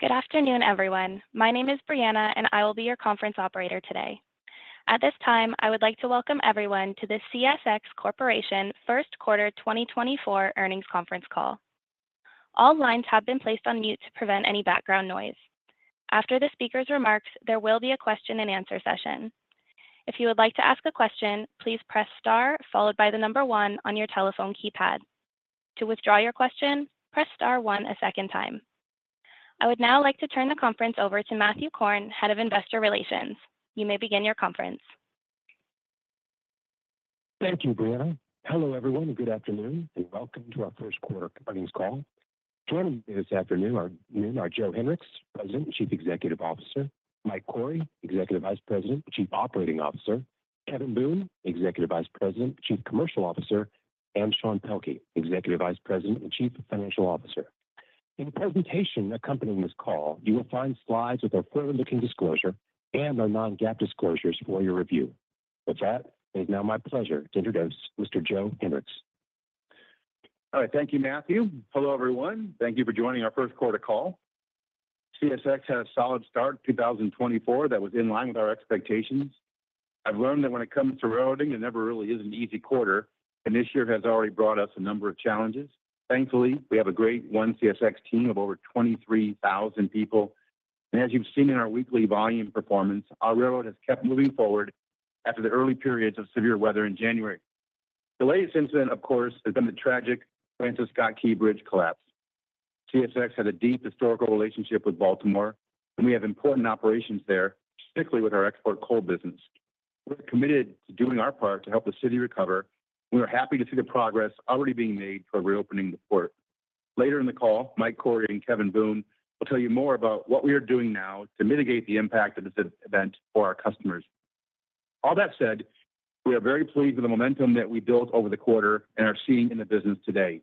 Good afternoon, everyone. My name is Brianna, and I will be your conference operator today. At this time, I would like to welcome everyone to the CSX Corporation First Quarter 2024 Earnings Conference Call. All lines have been placed on mute to prevent any background noise. After the speaker's remarks, there will be a question-and-answer session. If you would like to ask a question, please press Star followed by the number one on your telephone keypad. To withdraw your question, press Star one a second time. I would now like to turn the conference over to Matthew Korn, Head of Investor Relations. You may begin your conference. Thank you, Brianna. Hello, everyone, and good afternoon, and welcome to our first quarter earnings call. Joining me this afternoon are Joe Hinrichs, President and Chief Executive Officer, Mike Cory, Executive Vice President and Chief Operating Officer, Kevin Boone, Executive Vice President, Chief Commercial Officer, and Sean Pelkey, Executive Vice President and Chief Financial Officer. In the presentation accompanying this call, you will find slides with our forward-looking disclosure and our non-GAAP disclosures for your review. With that, it is now my pleasure to introduce Mr. Joe Hinrichs. All right. Thank you, Matthew. Hello, everyone. Thank you for joining our first quarter call. CSX had a solid start in 2024 that was in line with our expectations. I've learned that when it comes to railroading, there never really is an easy quarter, and this year has already brought us a number of challenges. Thankfully, we have a great ONE CSX team of over 23,000 people, and as you've seen in our weekly volume performance, our railroad has kept moving forward after the early periods of severe weather in January. The latest incident, of course, has been the tragic Francis Scott Key Bridge collapse. CSX had a deep historical relationship with Baltimore, and we have important operations there, particularly with our export coal business. We're committed to doing our part to help the city recover, and we are happy to see the progress already being made toward reopening the port. Later in the call, Mike Cory and Kevin Boone will tell you more about what we are doing now to mitigate the impact of this event for our customers. All that said, we are very pleased with the momentum that we built over the quarter and are seeing in the business today.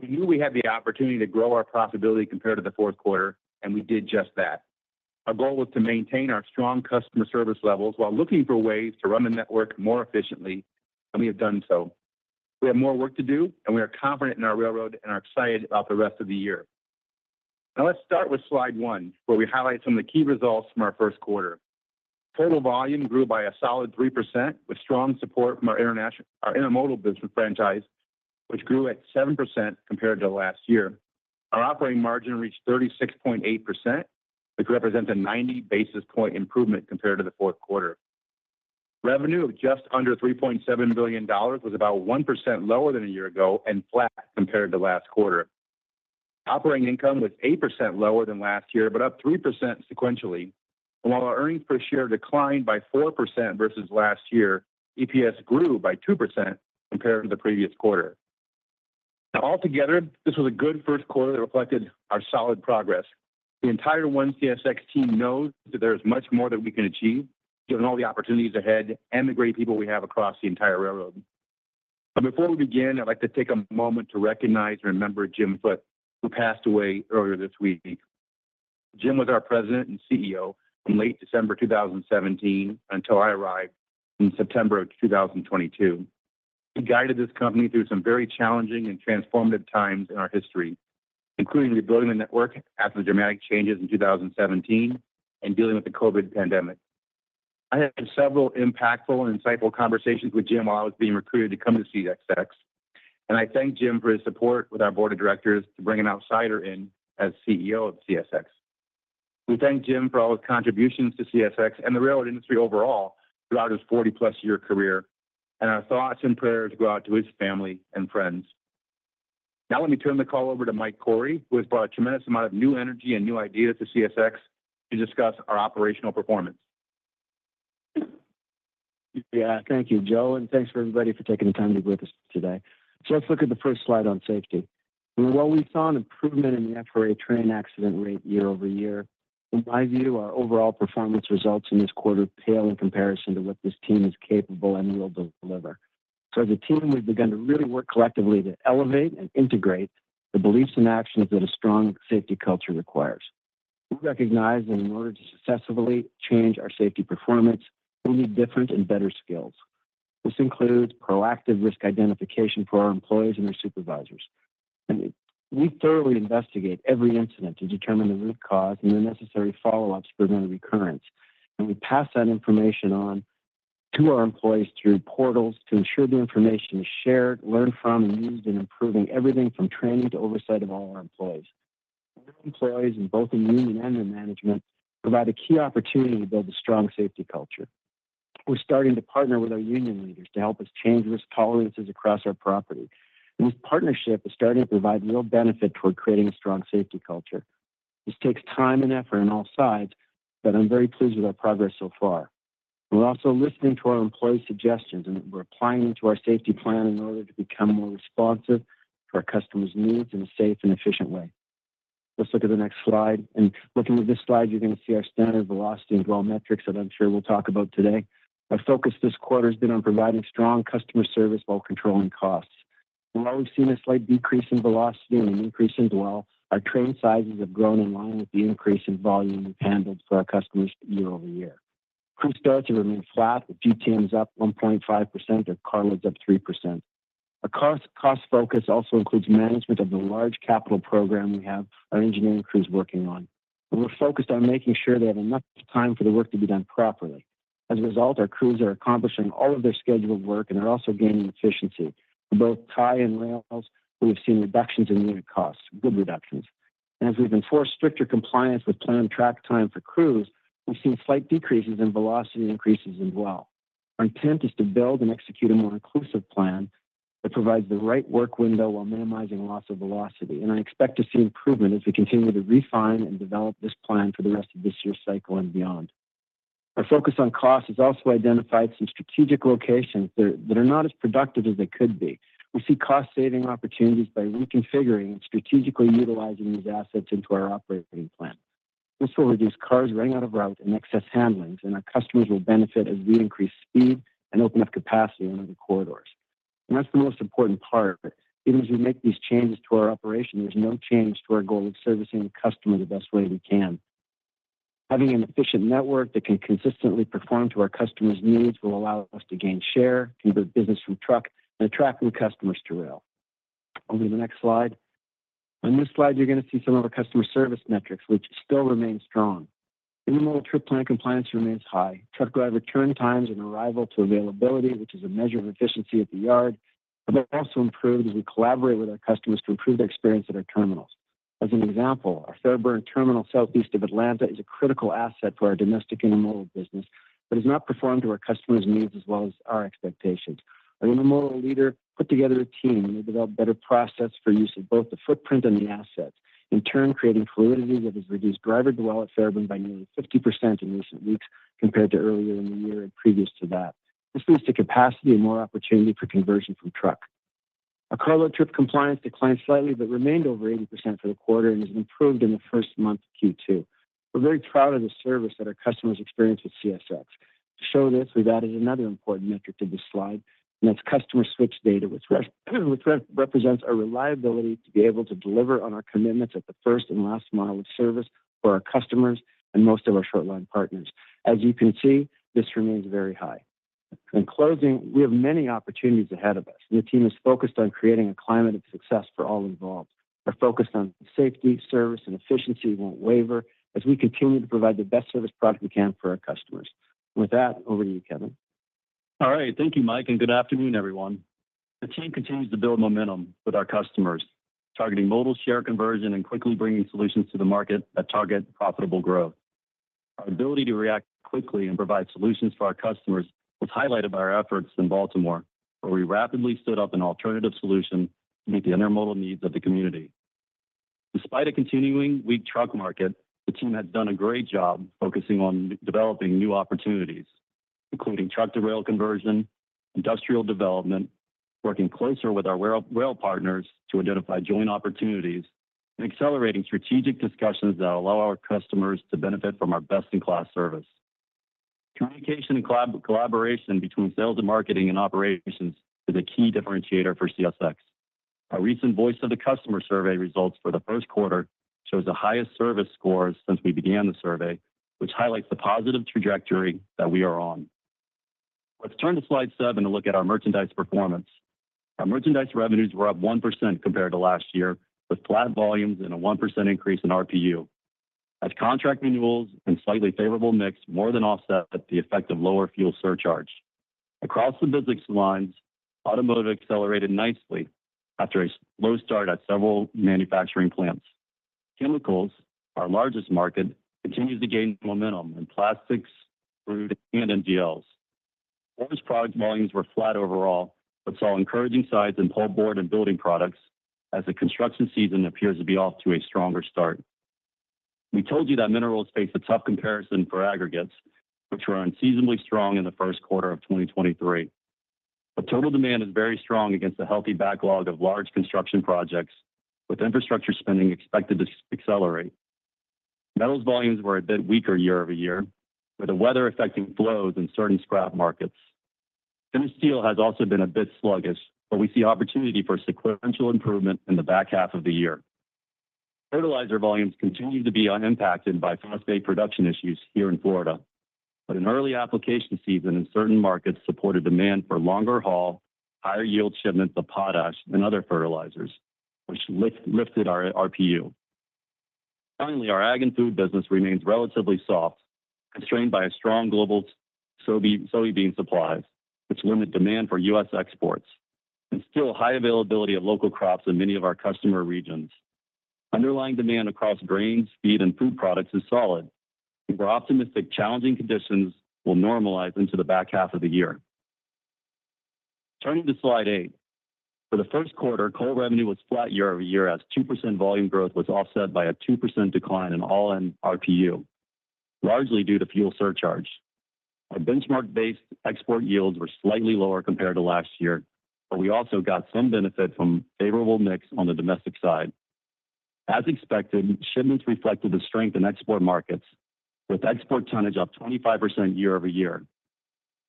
We knew we had the opportunity to grow our profitability compared to the fourth quarter, and we did just that. Our goal was to maintain our strong customer service levels while looking for ways to run the network more efficiently, and we have done so. We have more work to do, and we are confident in our railroad and are excited about the rest of the year. Now let's start with slide one, where we highlight some of the key results from our first quarter. Total volume grew by a solid 3%, with strong support from our Intermodal business franchise, which grew at 7% compared to last year. Our operating margin reached 36.8%, which represents a 90 basis point improvement compared to the fourth quarter. Revenue of just under $3.7 billion was about 1% lower than a year ago and flat compared to last quarter. Operating income was 8% lower than last year, but up 3% sequentially, and while our earnings per share declined by 4% versus last year, EPS grew by 2% compared to the previous quarter. Now, altogether, this was a good first quarter that reflected our solid progress. The entire ONE CSX team knows that there is much more that we can achieve, given all the opportunities ahead and the great people we have across the entire railroad. But before we begin, I'd like to take a moment to recognize and remember Jim Foote, who passed away earlier this week. Jim was our President and CEO from late December 2017 until I arrived in September 2022. He guided this company through some very challenging and transformative times in our history, including rebuilding the network after the dramatic changes in 2017 and dealing with the COVID pandemic. I had several impactful and insightful conversations with Jim while I was being recruited to come to CSX, and I thank Jim for his support with our board of directors to bring an outsider in as CEO of CSX. We thank Jim for all his contributions to CSX and the railroad industry overall throughout his 40-plus-year career, and our thoughts and prayers go out to his family and friends. Now, let me turn the call over to Mike Cory, who has brought a tremendous amount of new energy and new ideas to CSX, to discuss our operational performance. Yeah, thank you, Joe, and thanks for everybody for taking the time to be with us today. So let's look at the first slide on safety. While we saw an improvement in the FRA train accident rate year-over-year, in my view, our overall performance results in this quarter pale in comparison to what this team is capable and will deliver. So as a team, we've begun to really work collectively to elevate and integrate the beliefs and actions that a strong safety culture requires. We recognize that in order to successfully change our safety performance, we need different and better skills. This includes proactive risk identification for our employees and their supervisors. And we thoroughly investigate every incident to determine the root cause and the necessary follow-ups to prevent recurrence. And we pass that information on to our employees through portals to ensure the information is shared, learned from, and used in improving everything from training to oversight of all our employees. Our employees, in both the union and the management, provide a key opportunity to build a strong safety culture. We're starting to partner with our union leaders to help us change risk tolerances across our property, and this partnership is starting to provide real benefit toward creating a strong safety culture. This takes time and effort on all sides, but I'm very pleased with our progress so far. We're also listening to our employees' suggestions, and we're applying them to our safety plan in order to become more responsive to our customers' needs in a safe and efficient way. Let's look at the next slide. Looking at this slide, you're going to see our standard velocity and dwell metrics that I'm sure we'll talk about today. Our focus this quarter has been on providing strong customer service while controlling costs. While we've seen a slight decrease in velocity and an increase in dwell, our train sizes have grown in line with the increase in volume we've handled for our customers year-over-year. Crew starts have remained flat, with GTMs up 1.5% and carloads up 3%. A cost focus also includes management of the large capital program we have our engineering crews working on, and we're focused on making sure they have enough time for the work to be done properly. As a result, our crews are accomplishing all of their scheduled work, and they're also gaining efficiency. In both ties and rails, we've seen reductions in unit costs, good reductions. And as we've enforced stricter compliance with planned track time for crews, we've seen slight decreases in velocity and increases as well. Our intent is to build and execute a more inclusive plan that provides the right work window while minimizing loss of velocity. And I expect to see improvement as we continue to refine and develop this plan for the rest of this year's cycle and beyond. Our focus on cost has also identified some strategic locations that are not as productive as they could be. We see cost-saving opportunities by reconfiguring and strategically utilizing these assets into our operating plan. This will reduce cars running out of route and excess handling, and our customers will benefit as we increase speed and open up capacity on other corridors. And that's the most important part. Even as we make these changes to our operation, there's no change to our goal of servicing the customer the best way we can. Having an efficient network that can consistently perform to our customer's needs will allow us to gain share, keep the business from truck, and attracting customers to rail. On to the next slide. On this slide, you're gonna see some of our customer service metrics, which still remain strong. Intermodal trip plan compliance remains high. Truck driver turn times and arrival to availability, which is a measure of efficiency at the yard, have also improved as we collaborate with our customers to improve their experience at our terminals. As an example, our Fairburn terminal, southeast of Atlanta, is a critical asset for our domestic intermodal business, but has not performed to our customers' needs as well as our expectations. Our intermodal leader put together a team, and they developed a better process for use of both the footprint and the assets, in turn, creating fluidity that has reduced driver dwell at Fairburn by nearly 50% in recent weeks compared to earlier in the year and previous to that. This leads to capacity and more opportunity for conversion from truck. Our carload trip compliance declined slightly, but remained over 80% for the quarter and has improved in the first month of Q2. We're very proud of the service that our customers experience with CSX. To show this, we've added another important metric to this slide, and that's customer switch data, which represents our reliability to be able to deliver on our commitments at the first and last mile of service for our customers and most of our short line partners. As you can see, this remains very high. In closing, we have many opportunities ahead of us, and the team is focused on creating a climate of success for all involved. We're focused on safety, service, and efficiency, won't waver as we continue to provide the best service product we can for our customers. With that, over to you, Kevin. All right. Thank you, Mike, and good afternoon, everyone. The team continues to build momentum with our customers, targeting modal share conversion and quickly bringing solutions to the market that target profitable growth. Our ability to react quickly and provide solutions for our customers was highlighted by our efforts in Baltimore, where we rapidly stood up an alternative solution to meet the intermodal needs of the community. Despite a continuing weak truck market, the team has done a great job focusing on developing new opportunities, including truck-to-rail conversion, industrial development, working closer with our rail partners to identify joint opportunities, and accelerating strategic discussions that allow our customers to benefit from our best-in-class service. Communication and collaboration between sales and marketing and operations is a key differentiator for CSX. Our recent Voice of the Customer survey results for the first quarter shows the highest service scores since we began the survey, which highlights the positive trajectory that we are on. Let's turn to slide seven to look at our merchandise performance. Our merchandise revenues were up 1% compared to last year, with flat volumes and a 1% increase in RPU, as contract renewals and slightly favorable mix more than offset the effect of lower fuel surcharge. Across the business lines, automotive accelerated nicely after a slow start at several manufacturing plants. Chemicals, our largest market, continues to gain momentum in plastics, food, and NGLs. Forest products volumes were flat overall, but saw encouraging signs in pulpboard and building products as the construction season appears to be off to a stronger start. We told you that minerals face a tough comparison for aggregates, which were unseasonably strong in the first quarter of 2023. But total demand is very strong against a healthy backlog of large construction projects, with infrastructure spending expected to accelerate. Metals volumes were a bit weaker year over year, with the weather affecting flows in certain scrap markets. Finished steel has also been a bit sluggish, but we see opportunity for sequential improvement in the back half of the year. Fertilizer volumes continued to be unimpacted by frost day production issues here in Florida, but an early application season in certain markets supported demand for longer haul, higher yield shipments of potash and other fertilizers, which lifted our RPU. Finally, our ag and food business remains relatively soft, constrained by a strong global soybean supplies, which limit demand for U.S. exports, and still high availability of local crops in many of our customer regions. Underlying demand across grains, feed, and food products is solid, and we're optimistic challenging conditions will normalize into the back half of the year. Turning to slide eight. For the first quarter, coal revenue was flat year-over-year, as 2% volume growth was offset by a 2% decline in all-in RPU, largely due to fuel surcharge. Our benchmark-based export yields were slightly lower compared to last year, but we also got some benefit from favorable mix on the domestic side. As expected, shipments reflected the strength in export markets, with export tonnage up 25% year-over-year.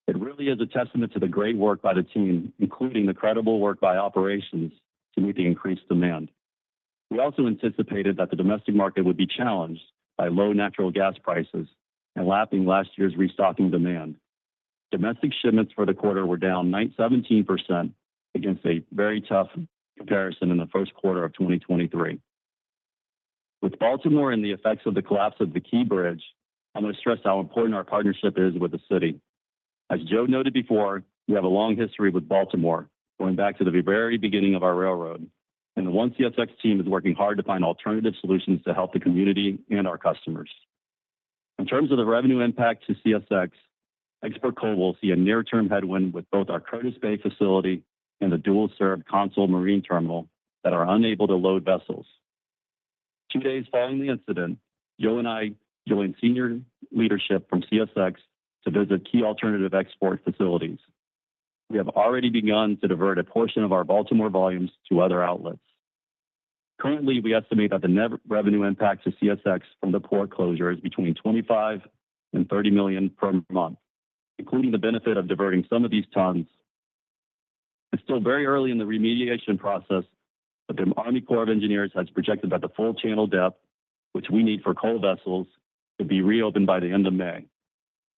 It really is a testament to the great work by the team, including the incredible work by operations, to meet the increased demand. We also anticipated that the domestic market would be challenged by low natural gas prices and lapping last year's restocking demand. Domestic shipments for the quarter were down 9.17% against a very tough comparison in the first quarter of 2023. With Baltimore and the effects of the collapse of the Key Bridge, I'm going to stress how important our partnership is with the city. As Joe noted before, we have a long history with Baltimore, going back to the very beginning of our railroad, and the One CSX team is working hard to find alternative solutions to help the community and our customers. In terms of the revenue impact to CSX, export coal will see a near-term headwind with both our Curtis Bay facility and the dual-serve CONSOL Marine Terminal that are unable to load vessels. Two days following the incident, Joe and I joined senior leadership from CSX to visit key alternative export facilities. We have already begun to divert a portion of our Baltimore volumes to other outlets. Currently, we estimate that the net revenue impact to CSX from the port closure is between $25 million and $30 million per month, including the benefit of diverting some of these tons. It's still very early in the remediation process, but the Army Corps of Engineers has projected that the full channel depth, which we need for coal vessels, to be reopened by the end of May.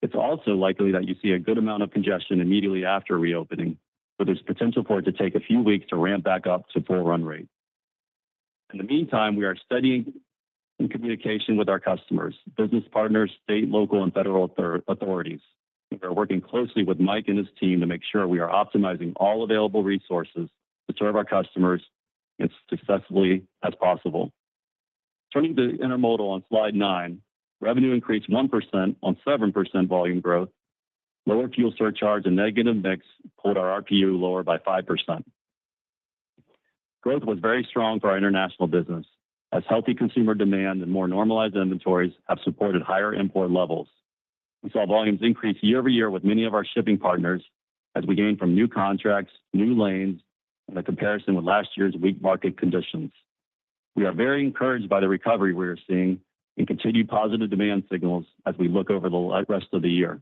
It's also likely that you see a good amount of congestion immediately after reopening, so there's potential for it to take a few weeks to ramp back up to full run rate. In the meantime, we are studying in communication with our customers, business partners, state, local, and federal authorities. We are working closely with Mike and his team to make sure we are optimizing all available resources to serve our customers as successfully as possible. Turning to Intermodal on slide nine, revenue increased 1% on 7% volume growth. Lower fuel surcharge and negative mix pulled our RPU lower by 5%. Growth was very strong for our international business, as healthy consumer demand and more normalized inventories have supported higher import levels. We saw volumes increase year-over-year with many of our shipping partners as we gained from new contracts, new lanes, and a comparison with last year's weak market conditions. We are very encouraged by the recovery we are seeing and continued positive demand signals as we look over the rest of the year.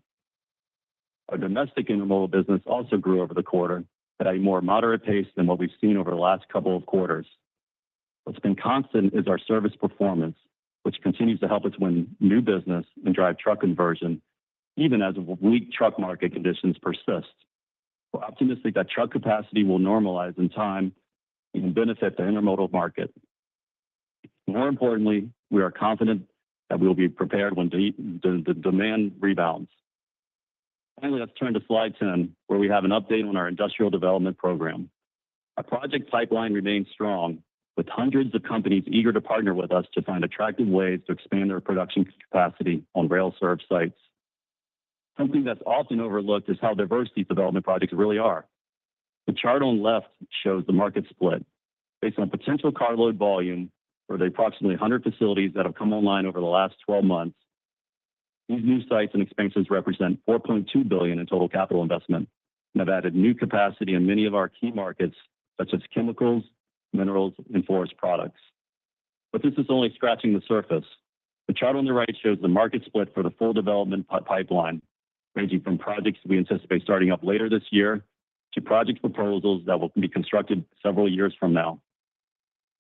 Our domestic intermodal business also grew over the quarter at a more moderate pace than what we've seen over the last couple of quarters. What's been constant is our service performance, which continues to help us win new business and drive truck conversion, even as weak truck market conditions persist. We're optimistic that truck capacity will normalize in time and benefit the intermodal market. More importantly, we are confident that we will be prepared when the demand rebounds. Finally, let's turn to slide 10, where we have an update on our industrial development program. Our project pipeline remains strong, with hundreds of companies eager to partner with us to find attractive ways to expand their production capacity on rail-served sites. Something that's often overlooked is how diverse these development projects really are. The chart on the left shows the market split based on potential carload volume for the approximately 100 facilities that have come online over the last 12 months. These new sites and expansions represent $4.2 billion in total capital investment and have added new capacity in many of our key markets, such as chemicals, minerals, and forest products. But this is only scratching the surface. The chart on the right shows the market split for the full development pipeline, ranging from projects we anticipate starting up later this year to project proposals that will be constructed several years from now.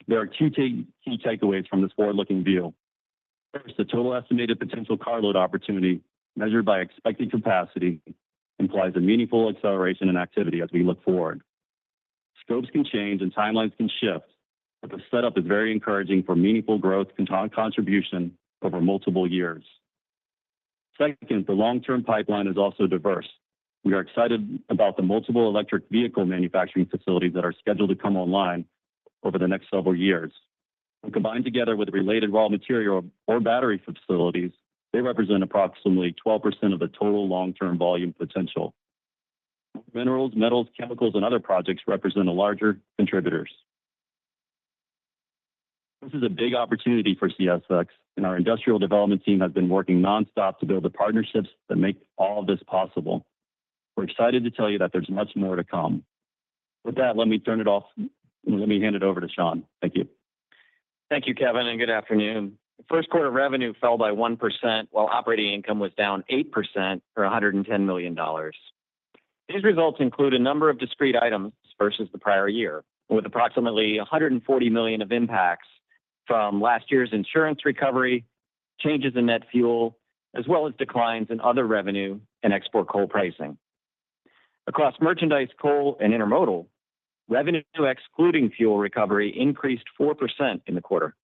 There are two key takeaways from this forward-looking view. First, the total estimated potential carload opportunity, measured by expected capacity, implies a meaningful acceleration in activity as we look forward. Scopes can change and timelines can shift, but the setup is very encouraging for meaningful growth and contribution over multiple years. Second, the long-term pipeline is also diverse. We are excited about the multiple electric vehicle manufacturing facilities that are scheduled to come online over the next several years. When combined together with related raw material or battery facilities, they represent approximately 12% of the total long-term volume potential. Minerals, metals, chemicals, and other projects represent the larger contributors. This is a big opportunity for CSX, and our industrial development team has been working nonstop to build the partnerships that make all of this possible. We're excited to tell you that there's much more to come. With that, let me turn it off. Let me hand it over to Sean. Thank you. Thank you, Kevin, and good afternoon. First quarter revenue fell by 1%, while operating income was down 8% for $110 million. These results include a number of discrete items versus the prior year, with approximately $140 million of impacts from last year's insurance recovery, changes in net fuel, as well as declines in other revenue and export coal pricing. Across merchandise, coal, and intermodal, revenue, too, excluding fuel recovery increased 4% in the quarter,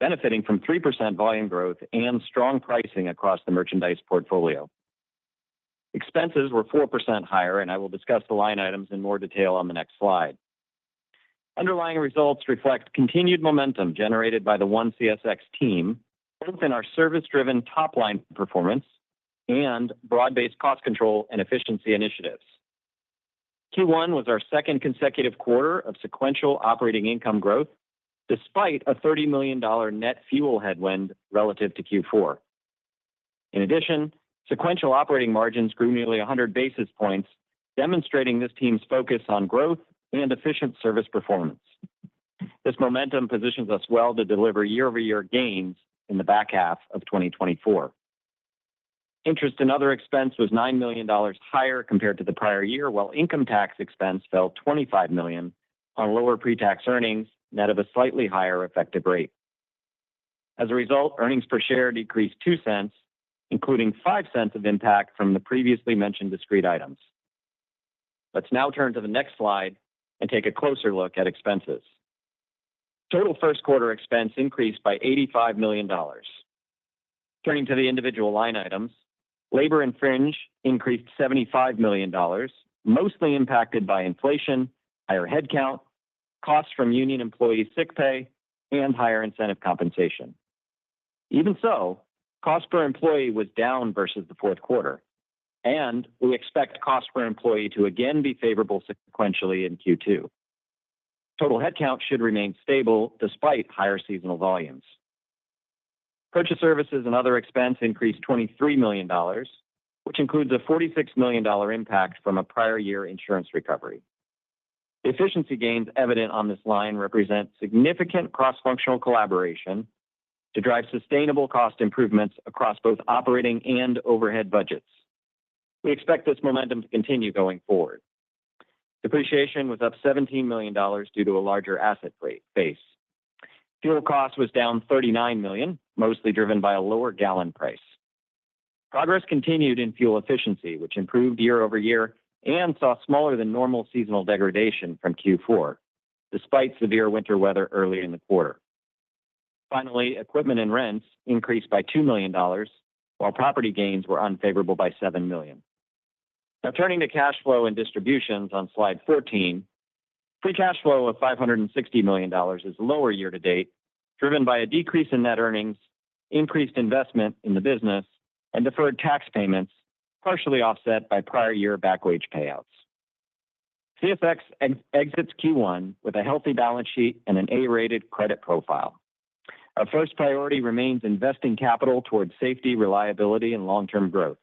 benefiting from 3% volume growth and strong pricing across the merchandise portfolio. Expenses were 4% higher, and I will discuss the line items in more detail on the next slide. Underlying results reflect continued momentum generated by the ONE CSX team, both in our service-driven top-line performance and broad-based cost control and efficiency initiatives. Q1 was our second consecutive quarter of sequential operating income growth, despite a $30 million net fuel headwind relative to Q4. In addition, sequential operating margins grew nearly 100 basis points, demonstrating this team's focus on growth and efficient service performance. This momentum positions us well to deliver year-over-year gains in the back half of 2024.... Interest and other expense was $9 million higher compared to the prior year, while income tax expense fell $25 million on lower pre-tax earnings, net of a slightly higher effective rate. As a result, earnings per share decreased $0.02, including $0.05 of impact from the previously mentioned discrete items. Let's now turn to the next slide and take a closer look at expenses. Total first quarter expense increased by $85 million. Turning to the individual line items, labor and fringe increased $75 million, mostly impacted by inflation, higher headcount, costs from union employee sick pay, and higher incentive compensation. Even so, cost per employee was down versus the fourth quarter, and we expect cost per employee to again be favorable sequentially in Q2. Total headcount should remain stable despite higher seasonal volumes. Purchased services and other expense increased $23 million, which includes a $46 million impact from a prior year insurance recovery. Efficiency gains evident on this line represent significant cross-functional collaboration to drive sustainable cost improvements across both operating and overhead budgets. We expect this momentum to continue going forward. Depreciation was up $17 million due to a larger asset rate base. Fuel cost was down $39 million, mostly driven by a lower gallon price. Progress continued in fuel efficiency, which improved year over year and saw smaller than normal seasonal degradation from Q4, despite severe winter weather early in the quarter. Finally, equipment and rents increased by $2 million, while property gains were unfavorable by $7 million. Now, turning to cash flow and distributions on slide 13, free cash flow of $560 million is lower year to date, driven by a decrease in net earnings, increased investment in the business, and deferred tax payments, partially offset by prior year back wage payouts. CSX exits Q1 with a healthy balance sheet and an A-rated credit profile. Our first priority remains investing capital towards safety, reliability, and long-term growth.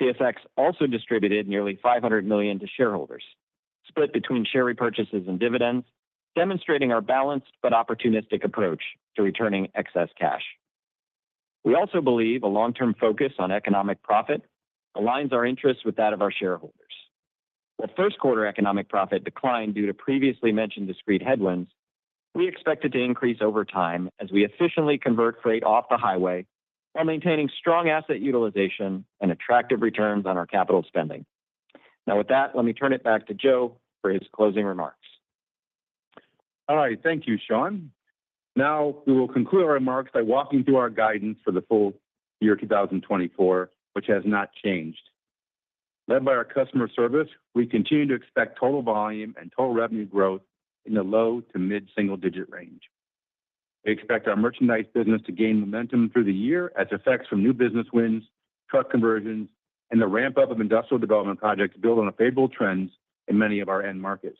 CSX also distributed nearly $500 million to shareholders, split between share repurchases and dividends, demonstrating our balanced but opportunistic approach to returning excess cash. We also believe a long-term focus on economic profit aligns our interests with that of our shareholders. While first quarter economic profit declined due to previously mentioned discrete headwinds, we expect it to increase over time as we efficiently convert freight off the highway while maintaining strong asset utilization and attractive returns on our capital spending. Now, with that, let me turn it back to Joe for his closing remarks. All right, thank you, Sean. Now, we will conclude our remarks by walking through our guidance for the full year 2024, which has not changed. Led by our customer service, we continue to expect total volume and total revenue growth in the low- to mid-single-digit range. We expect our merchandise business to gain momentum through the year as effects from new business wins, truck conversions, and the ramp-up of industrial development projects build on favorable trends in many of our end markets.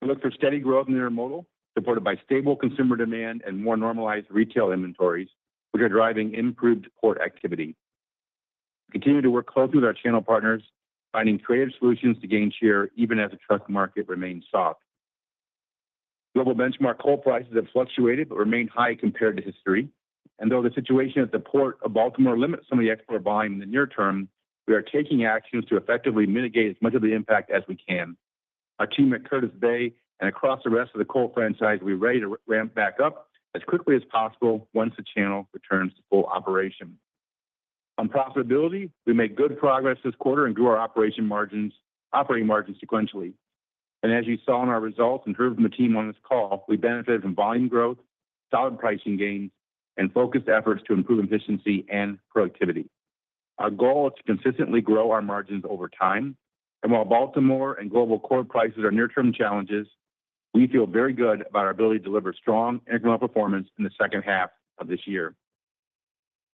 We look for steady growth in the intermodal, supported by stable consumer demand and more normalized retail inventories, which are driving improved port activity. We continue to work closely with our channel partners, finding creative solutions to gain share even as the truck market remains soft. Global benchmark coal prices have fluctuated but remain high compared to history, and though the situation at the Port of Baltimore limits some of the export volume in the near term, we are taking actions to effectively mitigate as much of the impact as we can. Our team at Curtis Bay and across the rest of the coal franchise, we're ready to ramp back up as quickly as possible once the channel returns to full operation. On profitability, we made good progress this quarter and grew our operating margins sequentially. And as you saw in our results and heard from the team on this call, we benefited from volume growth, solid pricing gains, and focused efforts to improve efficiency and productivity. Our goal is to consistently grow our margins over time, and while Baltimore and global core prices are near-term challenges, we feel very good about our ability to deliver strong economic performance in the second half of this year.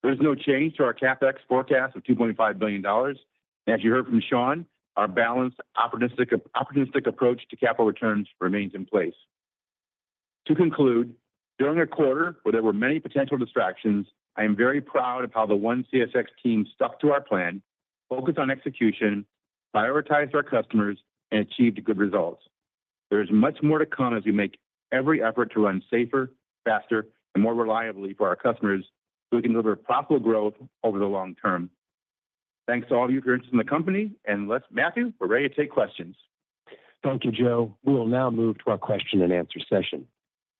There is no change to our CapEx forecast of $2.5 billion. As you heard from Sean, our balanced opportunistic approach to capital returns remains in place. To conclude, during a quarter where there were many potential distractions, I am very proud of how the One CSX team stuck to our plan, focused on execution, prioritized our customers, and achieved good results. There is much more to come as we make every effort to run safer, faster, and more reliably for our customers, so we can deliver profitable growth over the long term. Thanks to all of you here in the company, and let's, Matthew, we're ready to take questions. Thank you, Joe. We will now move to our question and answer session.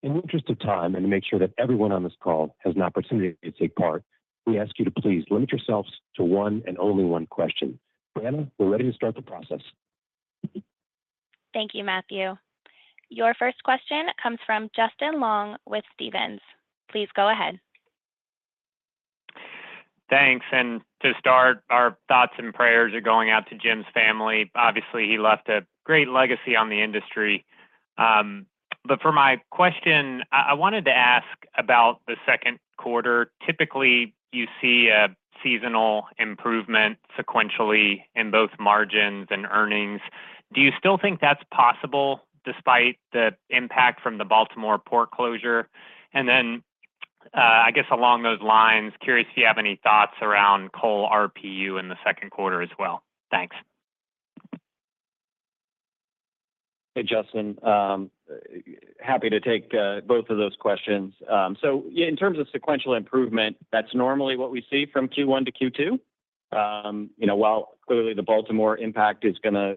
In the interest of time and to make sure that everyone on this call has an opportunity to take part, we ask you to please limit yourselves to one and only one question. Brianna, we're ready to start the process. Thank you, Matthew. Your first question comes from Justin Long with Stephens. Please go ahead. Thanks, and to start, our thoughts and prayers are going out to Jim's family. Obviously, he left a great legacy on the industry. But for my question, I wanted to ask about the second quarter. Typically, you see a seasonal improvement sequentially in both margins and earnings. Do you still think that's possible despite the impact from the Baltimore port closure? And then, I guess along those lines, curious if you have any thoughts around coal RPU in the second quarter as well. Thanks. Hey, Justin, happy to take both of those questions. So yeah, in terms of sequential improvement, that's normally what we see from Q1-Q2. You know, while clearly the Baltimore impact is gonna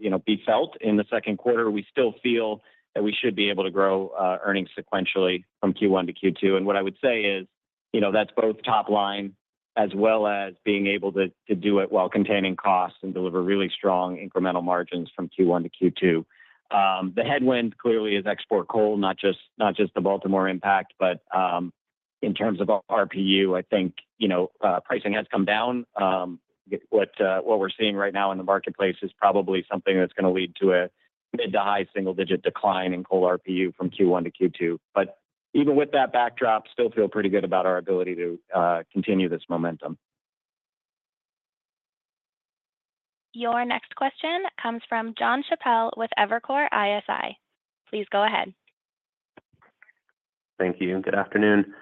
you know be felt in the second quarter, we still feel that we should be able to grow earnings sequentially from Q1-Q2. And what I would say is, you know, that's both top line as well as being able to do it while containing costs and deliver really strong incremental margins from Q1-Q2. The headwind clearly is export coal, not just the Baltimore impact, but in terms of RPU, I think you know pricing has come down. What we're seeing right now in the marketplace is probably something that's gonna lead to a mid-to-high single-digit decline in coal RPU from Q1 to Q2. But even with that backdrop, still feel pretty good about our ability to continue this momentum. Your next question comes from Jonathan Chappell with Evercore ISI. Please go ahead. Thank you, and good afternoon.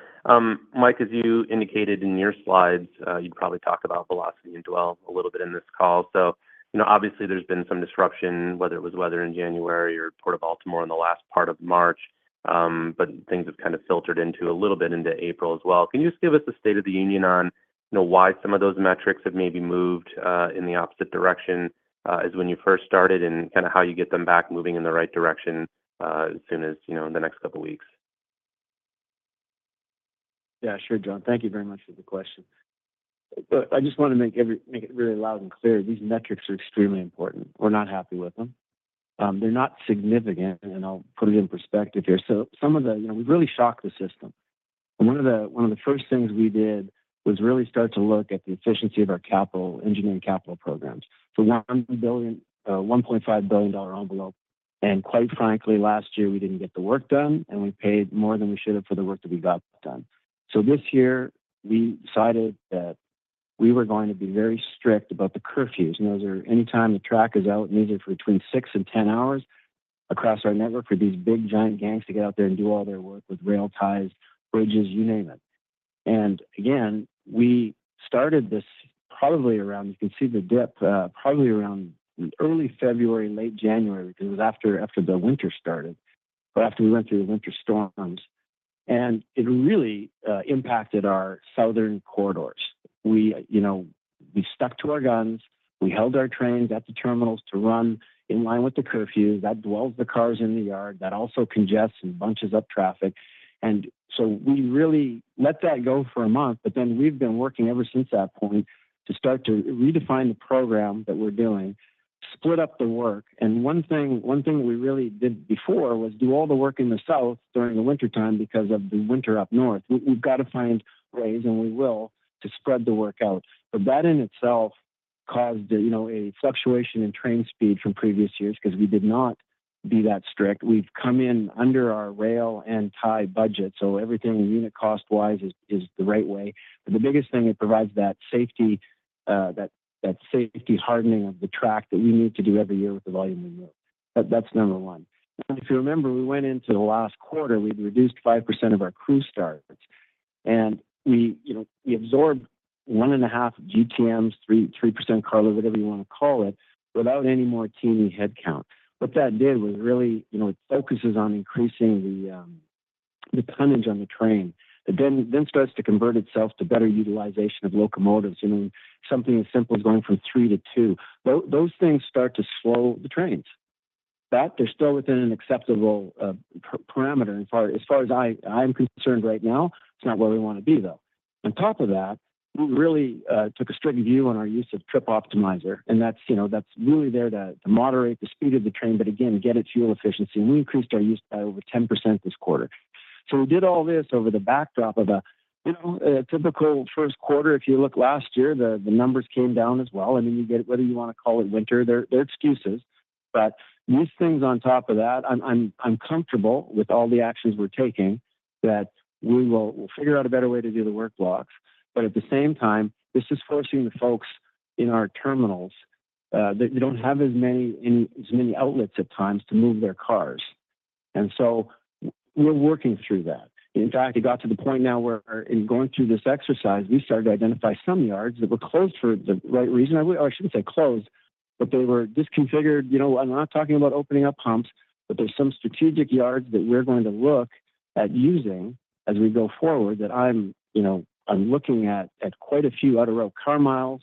Mike, as you indicated in your slides, you'd probably talk about velocity and dwell a little bit in this call. So, you know, obviously, there's been some disruption, whether it was weather in January or Port of Baltimore in the last part of March, but things have kind of filtered into a little bit into April as well. Can you just give us a state of the union on, you know, why some of those metrics have maybe moved in the opposite direction as when you first started, and kinda how you get them back moving in the right direction as soon as, you know, in the next couple of weeks? Yeah, sure, John. Thank you very much for the question. But I just wanna make it really loud and clear, these metrics are extremely important. We're not happy with them. They're not significant, and I'll put it in perspective here. So some of the-- you know, we really shocked the system. And one of the first things we did was really start to look at the efficiency of our capital, engineering capital programs. So $1 billion, $1.5 billion dollar envelope, and quite frankly, last year, we didn't get the work done, and we paid more than we should have for the work that we got done. So this year, we decided that we were going to be very strict about the curfews, and those are any time the track is out, needed for between 6 and 10 hours across our network for these big, giant gangs to get out there and do all their work with rail ties, bridges, you name it. And again, we started this probably around... you can see the dip, probably around early February, late January, because it was after the winter started, but after we went through the winter storms. And it really impacted our southern corridors. We, you know, we stuck to our guns. We held our trains at the terminals to run in line with the curfew. That dwells the cars in the yard, that also congests and bunches up traffic. We really let that go for a month, but then we've been working ever since that point to start to redefine the program that we're doing, split up the work. One thing we really did before was do all the work in the south during the wintertime because of the winter up north. We've got to find ways, and we will, to spread the work out. But that in itself caused, you know, a fluctuation in train speed from previous years because we did not be that strict. We've come in under our rail and tie budget, so everything unit cost-wise is the right way. But the biggest thing, it provides that safety, that safety hardening of the track that we need to do every year with the volume we move. That's number one. And if you remember, we went into the last quarter, we'd reduced 5% of our crew starts, and we, you know, we absorbed 1.5 GTMs, 3% cargo, whatever you wanna call it, without any more teaming headcount. What that did was really, you know, it focuses on increasing the, the tonnage on the train. It then starts to convert itself to better utilization of locomotives, I mean, something as simple as going from 3-2. Those things start to slow the trains. That they're still within an acceptable parameter as far as I'm concerned right now, it's not where we want to be, though. On top of that, we really took a strict view on our use of Trip Optimizer, and that's, you know, that's really there to moderate the speed of the train, but again, get its fuel efficiency, and we increased our use by over 10% this quarter. So we did all this over the backdrop of a, you know, a typical first quarter. If you look last year, the numbers came down as well. I mean, you get, whether you wanna call it winter, they're excuses, but these things on top of that, I'm comfortable with all the actions we're taking, that we will we'll figure out a better way to do the work blocks. But at the same time, this is forcing the folks in our terminals, they don't have as many outlets at times to move their cars. And so we're working through that. In fact, it got to the point now where in going through this exercise, we started to identify some yards that were closed for the right reason. I, I shouldn't say closed, but they were deconfigured. You know, I'm not talking about opening up humps, but there's some strategic yards that we're going to look at using as we go forward, that I'm, you know, I'm looking at, at quite a few out-of-route car miles,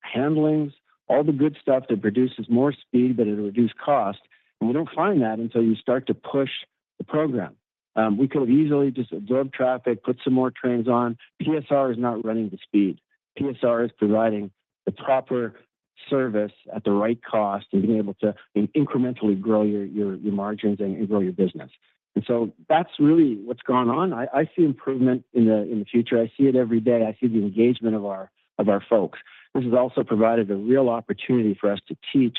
handlings, all the good stuff that produces more speed, but it'll reduce cost, and we don't find that until you start to push the program. We could easily just absorb traffic, put some more trains on. PSR is not running to speed. PSR is providing the proper service at the right cost and being able to incrementally grow your, your, your margins and grow your business. And so that's really what's going on. I see improvement in the future. I see it every day. I see the engagement of our folks. This has also provided a real opportunity for us to teach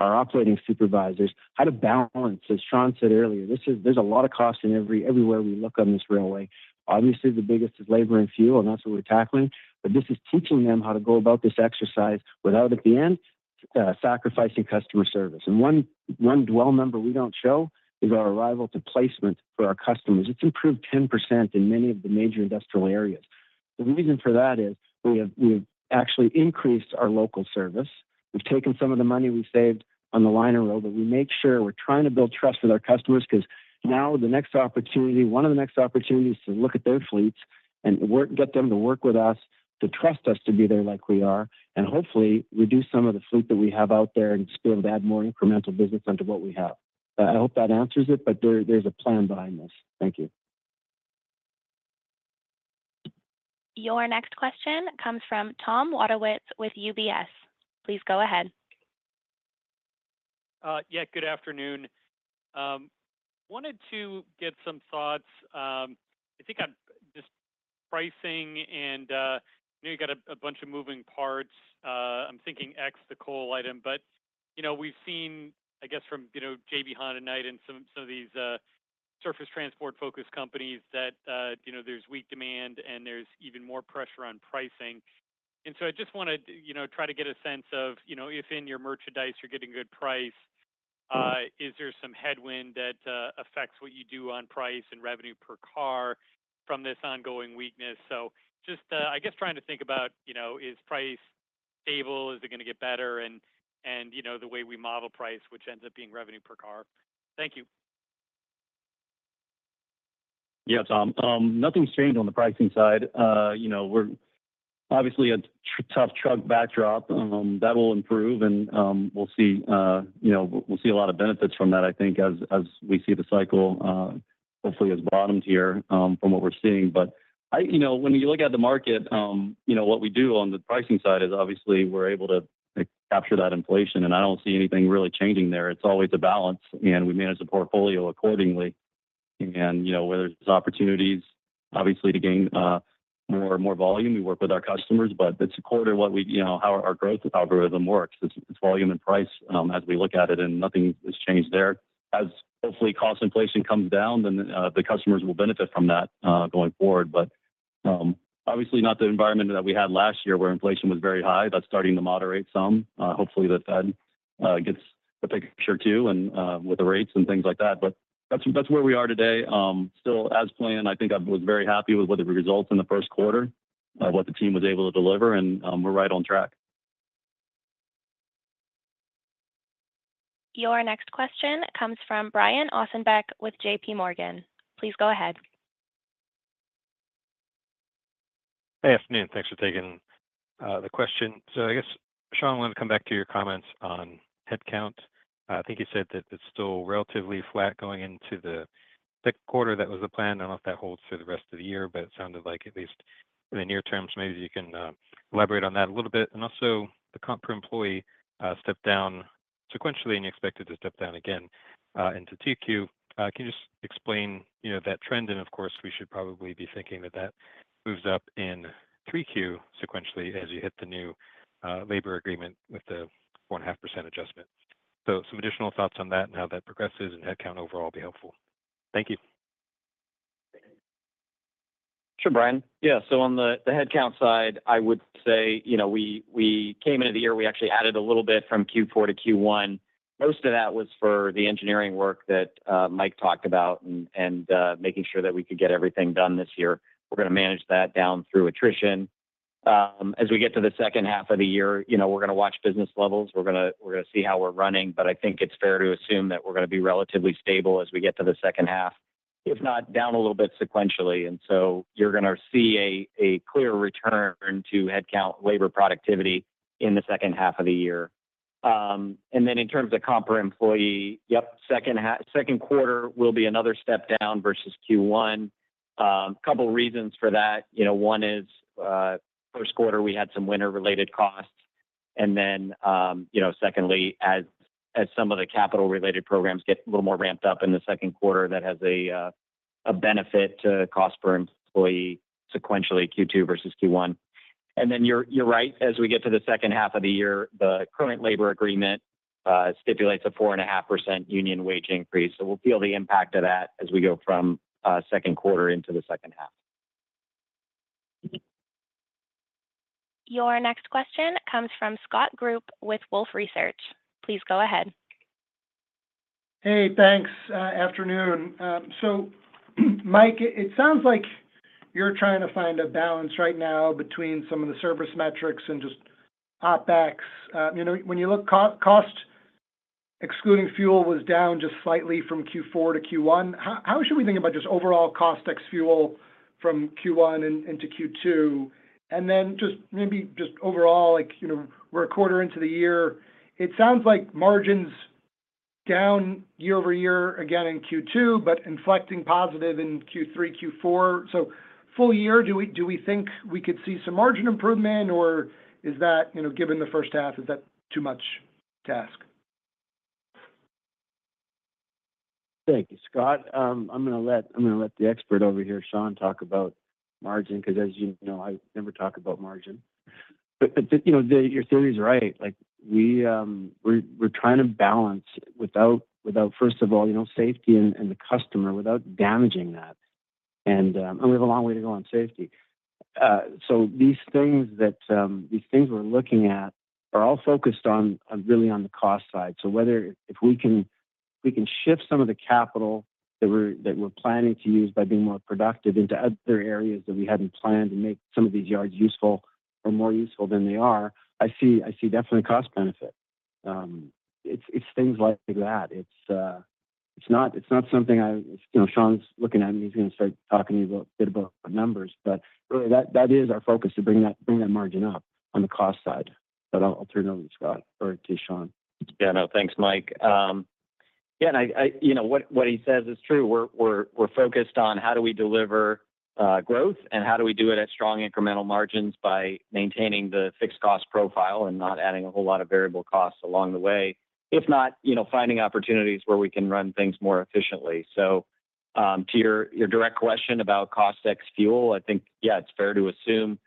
our operating supervisors how to balance. As Sean said earlier, this is. There's a lot of cost in everywhere we look on this railway. Obviously, the biggest is labor and fuel, and that's what we're tackling. But this is teaching them how to go about this exercise without, at the end, sacrificing customer service. And one dwell number we don't show is our arrival to placement for our customers. It's improved 10% in many of the major industrial areas. The reason for that is we have, we have actually increased our local service. We've taken some of the money we saved on the line of road, but we make sure we're trying to build trust with our customers, because now the next opportunity, one of the next opportunities, is to look at their fleets and get them to work with us, to trust us to be there like we are, and hopefully reduce some of the fleet that we have out there and still add more incremental business onto what we have. But I hope that answers it, but there, there's a plan behind this. Thank you. Your next question comes from Tom Wadewitz with UBS. Please go ahead. Yeah, good afternoon. Wanted to get some thoughts. I think I'm just pricing and, you know, you got a bunch of moving parts. I'm thinking X, the coal item. But, you know, we've seen, I guess, from, you know, J.B. Hunt tonight and some of these surface transport-focused companies that, you know, there's weak demand, and there's even more pressure on pricing. And so I just wanted to, you know, try to get a sense of, you know, if in your merchandise you're getting good price, is there some headwind that affects what you do on price and revenue per car from this ongoing weakness? So just, I guess trying to think about, you know, is price stable? Is it gonna get better? You know, the way we model price, which ends up being revenue per car. Thank you. Yeah, Tom. Nothing's changed on the pricing side. You know, we're obviously a tough truck backdrop that will improve, and we'll see a lot of benefits from that, I think, as we see the cycle hopefully has bottomed here from what we're seeing. But you know, when you look at the market, you know, what we do on the pricing side is obviously we're able to, like, capture that inflation, and I don't see anything really changing there. It's always a balance, and we manage the portfolio accordingly. And you know, whether there's opportunities, obviously, to gain more volume, we work with our customers, but it's according to what we—you know, how our growth algorithm works. It's volume and price as we look at it, and nothing has changed there. As hopefully cost inflation comes down, then, the customers will benefit from that, going forward. But, obviously, not the environment that we had last year, where inflation was very high. That's starting to moderate some. Hopefully, that gets the picture, too, and, with the rates and things like that. But that's where we are today. Still, as planned, I think I was very happy with the results in the first quarter, what the team was able to deliver, and, we're right on track. Your next question comes from Brian Ossenbeck with J.P. Morgan. Please go ahead. Hey, afternoon. Thanks for taking the question. So I guess, Sean, I wanted to come back to your comments on headcount. I think you said that it's still relatively flat going into the second quarter. That was the plan. I don't know if that holds for the rest of the year, but it sounded like at least in the near term. So maybe you can elaborate on that a little bit. And also, the comp per employee stepped down sequentially, and you expect it to step down again into Q2. Can you just explain, you know, that trend? And, of course, we should probably be thinking that that moves up in Q3 sequentially as you hit the new labor agreement with the 1.5% adjustment. So some additional thoughts on that and how that progresses and headcount overall would be helpful. Thank you. Sure, Brian. Yeah, so on the headcount side, I would say, you know, we came into the year; we actually added a little bit from Q4-Q1. Most of that was for the engineering work that Mike talked about and making sure that we could get everything done this year. We're gonna manage that down through attrition. As we get to the second half of the year, you know, we're gonna watch business levels. We're gonna see how we're running, but I think it's fair to assume that we're gonna be relatively stable as we get to the second half, if not down a little bit sequentially. And so you're gonna see a clear return to headcount labor productivity in the second half of the year. And then in terms of comp per employee, yep, second quarter will be another step down versus Q1. Couple reasons for that. You know, one is, first quarter, we had some winter-related costs, and then, you know, secondly, as some of the capital-related programs get a little more ramped up in the second quarter, that has a benefit to cost per employee sequentially, Q2 versus Q1. And then you're right, as we get to the second half of the year, the current labor agreement stipulates a 4.5% union wage increase. So we'll feel the impact of that as we go from second quarter into the second half. Your next question comes from Scott Group with Wolfe Research. Please go ahead. Hey, thanks, afternoon. So, Mike, it sounds like you're trying to find a balance right now between some of the service metrics and just OpEx. You know, when you look at cost excluding fuel was down just slightly from Q4-Q1. How should we think about just overall cost ex fuel from Q1 and into Q2? And then just maybe just overall, like, you know, we're a quarter into the year, it sounds like margin's down year-over-year again in Q2, but inflecting positive in Q3, Q4. So full year, do we think we could see some margin improvement, or is that, you know, given the first half, is that too much to ask? Thank you, Scott. I'm gonna let the expert over here, Sean, talk about margin, because as you know, I never talk about margin. But you know, your theory is right. Like, we're trying to balance without, first of all, you know, safety and the customer, without damaging that. And we have a long way to go on safety. So these things we're looking at are all focused on really on the cost side. So whether if we can, we can shift some of the capital that we're planning to use by being more productive into other areas that we hadn't planned, and make some of these yards useful or more useful than they are. I see definitely cost benefit. It's things like that. It's not something I. You know, Sean's looking at me. He's gonna start talking to you about a bit about the numbers, but really, that is our focus, to bring that margin up on the cost side. But I'll turn it over to Scott or to Sean. Yeah, no, thanks, Mike. Yeah, and You know what, what he says is true. We're focused on how do we deliver growth, and how do we do it at strong incremental margins by maintaining the fixed cost profile and not adding a whole lot of variable costs along the way. If not, you know, finding opportunities where we can run things more efficiently. So, to your direct question about cost ex fuel, I think, yeah, it's fair to assume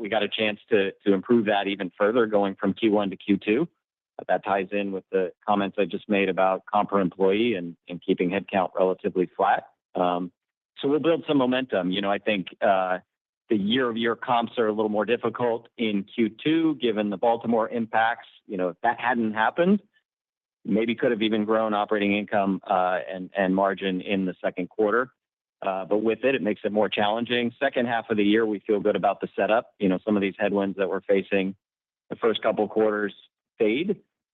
we got a chance to improve that even further, going from Q1-Q2. But that ties in with the comments I just made about comp per employee and keeping headcount relatively flat. So we'll build some momentum. You know, I think the year-over-year comps are a little more difficult in Q2, given the Baltimore impacts. You know, if that hadn't happened, maybe could have even grown operating income, and margin in the second quarter. But with it, it makes it more challenging. Second half of the year, we feel good about the setup. You know, some of these headwinds that we're facing, the first couple quarters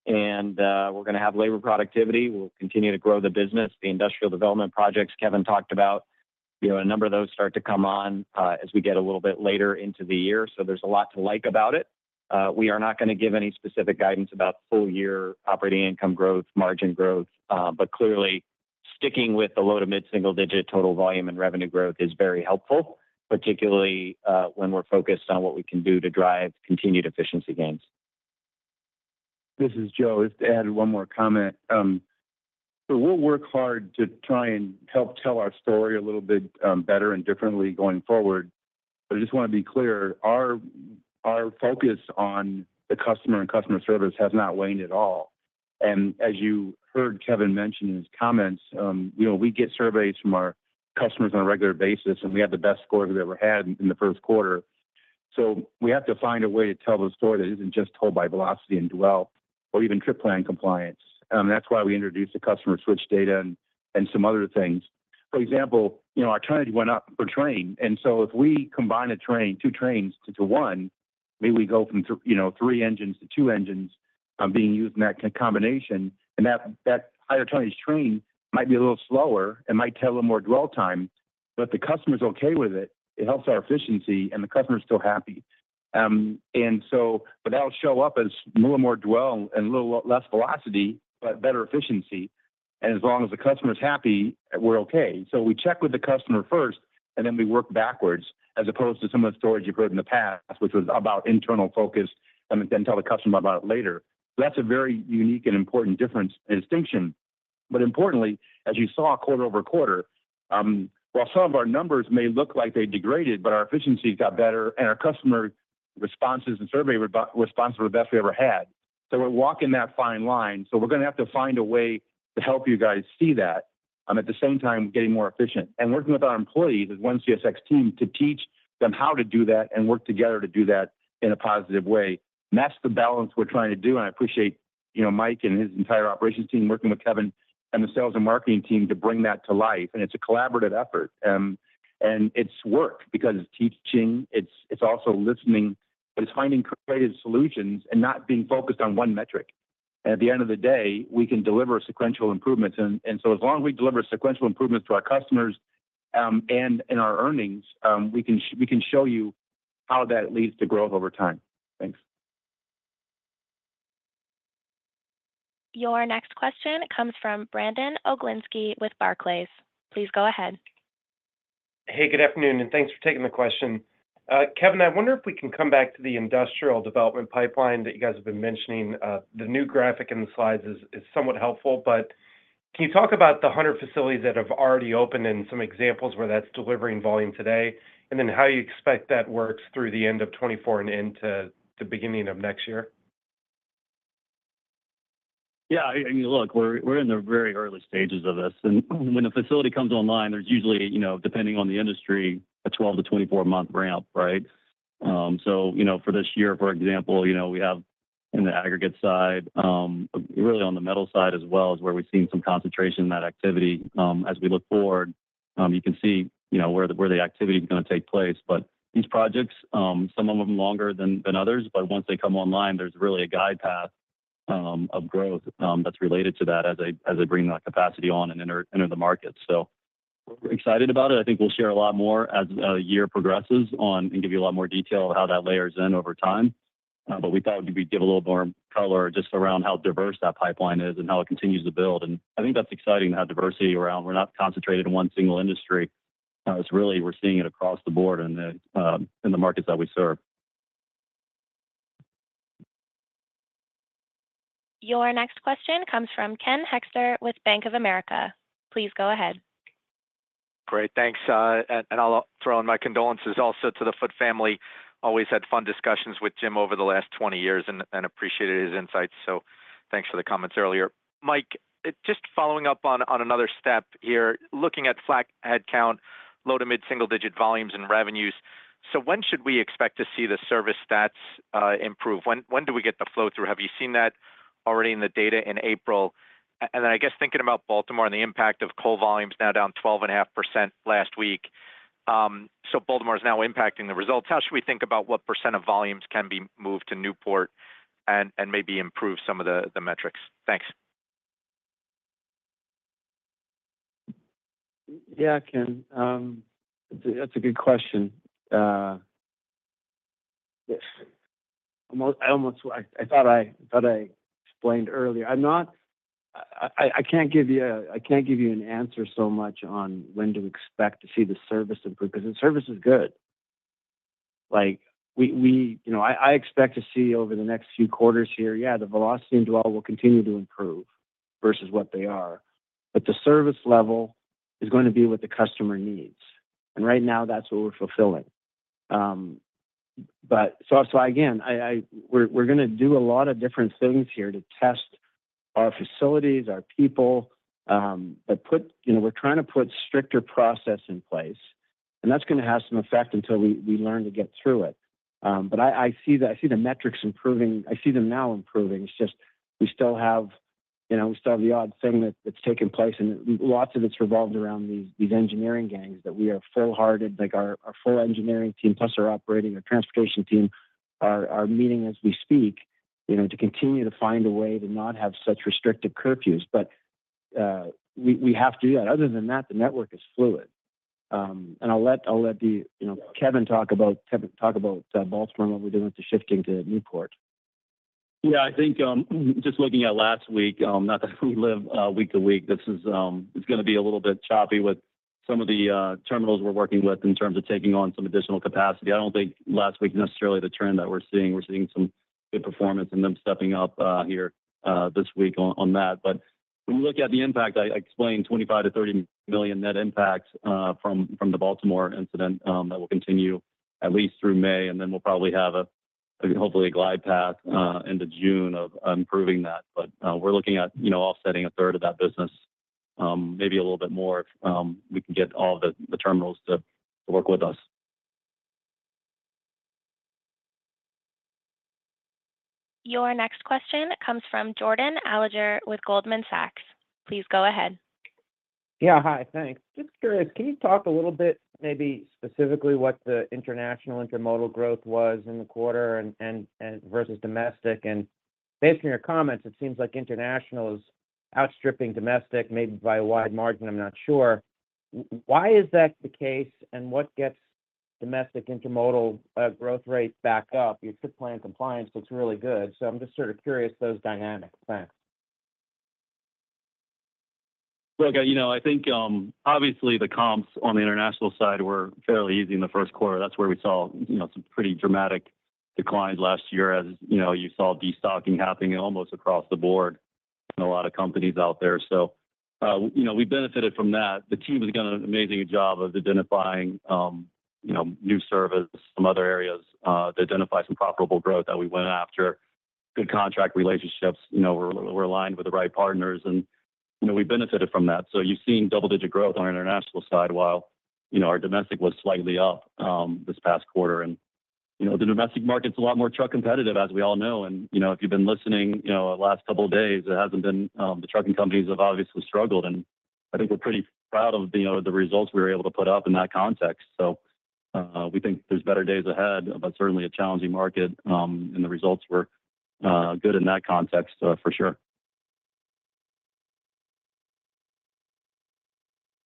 fade, and we're gonna have labor productivity. We'll continue to grow the business. The industrial development projects Kevin talked about, you know, a number of those start to come on, as we get a little bit later into the year, so there's a lot to like about it. We are not gonna give any specific guidance about full year operating income growth, margin growth, but clearly, sticking with the low to mid-single digit total volume and revenue growth is very helpful, particularly, when we're focused on what we can do to drive continued efficiency gains. This is Joe. Just to add one more comment. So we'll work hard to try and help tell our story a little bit better and differently going forward. But I just want to be clear, our focus on the customer and customer service has not waned at all. And as you heard Kevin mention in his comments, you know, we get surveys from our customers on a regular basis, and we had the best score we've ever had in the first quarter. So we have to find a way to tell the story that isn't just told by velocity and dwell or even trip plan compliance. That's why we introduced the customer switch data and some other things. For example, you know, our tonnage went up per train, and so if we combine a train, two trains into one, maybe we go from—you know, three engines to two engines, being used in that combination, and that, that higher tonnage train might be a little slower and might take a little more dwell time, but the customer's okay with it. It helps our efficiency, and the customer is still happy. And so—but that'll show up as a little more dwell and a little less velocity, but better efficiency. And as long as the customer's happy, we're okay. So we check with the customer first, and then we work backwards, as opposed to some of the stories you've heard in the past, which was about internal focus and then tell the customer about it later. That's a very unique and important difference and distinction. But importantly, as you saw quarter-over-quarter, while some of our numbers may look like they degraded, but our efficiency got better and our customer responses and survey response were the best we ever had. So we're walking that fine line, so we're gonna have to find a way to help you guys see that, at the same time, getting more efficient. And working with our employees as ONE CSX team, to teach them how to do that and work together to do that in a positive way. And that's the balance we're trying to do, and I appreciate, you know, Mike and his entire operations team, working with Kevin and the sales and marketing team to bring that to life. It's a collaborative effort, and it's work because it's teaching, it's also listening, but it's finding creative solutions and not being focused on one metric. At the end of the day, we can deliver sequential improvements, and so as long as we deliver sequential improvements to our customers and in our earnings, we can show you how that leads to growth over time. Thanks. Your next question comes from Brandon Oglenski with Barclays. Please go ahead. Hey, good afternoon, and thanks for taking the question. Kevin, I wonder if we can come back to the industrial development pipeline that you guys have been mentioning. The new graphic in the slides is somewhat helpful, but can you talk about the 100 facilities that have already opened and some examples where that's delivering volume today? And then how you expect that works through the end of 2024 and into the beginning of next year? Yeah, I mean, look, we're in the very early stages of this, and when a facility comes online, there's usually, you know, depending on the industry, a 12-24-month ramp, right? So, you know, for this year, for example, you know, we have in the aggregate side, really on the metal side as well, is where we've seen some concentration in that activity. As we look forward, you can see, you know, where the activity is gonna take place. But these projects, some of them longer than others, but once they come online, there's really a glide path of growth that's related to that as they bring that capacity on and enter the market. So we're excited about it. I think we'll share a lot more as the year progresses on and give you a lot more detail of how that layers in over time. But we thought we'd give a little more color just around how diverse that pipeline is and how it continues to build. And I think that's exciting to have diversity around. We're not concentrated in one single industry. It's really, we're seeing it across the board in the markets that we serve. Your next question comes from Ken Hoexter with Bank of America. Please go ahead. Great, thanks. I'll throw in my condolences also to the Foote family. Always had fun discussions with Jim over the last 20 years and appreciated his insights, so thanks for the comments earlier. Mike, just following up on another step here, looking at flat headcount, low- to mid-single-digit volumes and revenues, so when should we expect to see the service stats improve? When do we get the flow-through? Have you seen that already in the data in April. And then, I guess, thinking about Baltimore and the impact of coal volumes now down 12.5% last week. So Baltimore is now impacting the results. How should we think about what percent of volumes can be moved to Newport and, and maybe improve some of the, the metrics? Thanks. Yeah, Ken, that's a good question. Almost—I almost—I thought I explained earlier. I'm not—I can't give you an answer so much on when to expect to see the service improve, because the service is good. Like, you know, I expect to see over the next few quarters here, yeah, the velocity and dwell will continue to improve versus what they are, but the service level is going to be what the customer needs, and right now, that's what we're fulfilling. But so again, we're gonna do a lot of different things here to test our facilities, our people, but you know, we're trying to put stricter process in place, and that's gonna have some effect until we learn to get through it. But I see the metrics improving. I see them now improving. It's just we still have, you know, we still have the odd thing that's taking place, and lots of it's revolved around these engineering gangs, that we are full-hearted, like our full engineering team, plus our operating and transportation team, are meeting as we speak, you know, to continue to find a way to not have such restrictive curfews. But we have to do that. Other than that, the network is fluid. And I'll let Kevin talk about Baltimore, and what we're doing to shift things to Newport. Yeah, I think, just looking at last week, not that we live, week to week, this is, it's gonna be a little bit choppy with some of the, terminals we're working with in terms of taking on some additional capacity. I don't think last week is necessarily the trend that we're seeing. We're seeing some good performance and them stepping up, here, this week on, on that. But when we look at the impact, I, I explained $25 million-$30 million net impact, from, from the Baltimore incident. That will continue at least through May, and then we'll probably have a, hopefully, a glide path, into June of improving that. But we're looking at, you know, offsetting a third of that business, maybe a little bit more, if we can get all the terminals to work with us. Your next question comes from Jordan Alliger with Goldman Sachs. Please go ahead. Yeah, hi. Thanks. Just curious, can you talk a little bit, maybe specifically, what the international intermodal growth was in the quarter and versus domestic? And based on your comments, it seems like international is outstripping domestic, maybe by a wide margin, I'm not sure. Why is that the case, and what gets domestic intermodal growth rate back up? Your trip plan compliance looks really good, so I'm just sort of curious those dynamics. Thanks. Well, you know, I think, obviously, the comps on the international side were fairly easy in the first quarter. That's where we saw, you know, some pretty dramatic declines last year, as, you know, you saw destocking happening almost across the board in a lot of companies out there. So, you know, we benefited from that. The team has done an amazing job of identifying, you know, new service, some other areas, to identify some profitable growth that we went after, good contract relationships. You know, we're, we're aligned with the right partners, and, you know, we benefited from that. So you've seen double-digit growth on our international side, while, you know, our domestic was slightly up, this past quarter. And, you know, the domestic market's a lot more truck competitive, as we all know. You know, if you've been listening, you know, the last couple of days, it hasn't been. The trucking companies have obviously struggled, and I think we're pretty proud of, you know, the results we were able to put up in that context. So, we think there's better days ahead, but certainly a challenging market, and the results were good in that context, for sure.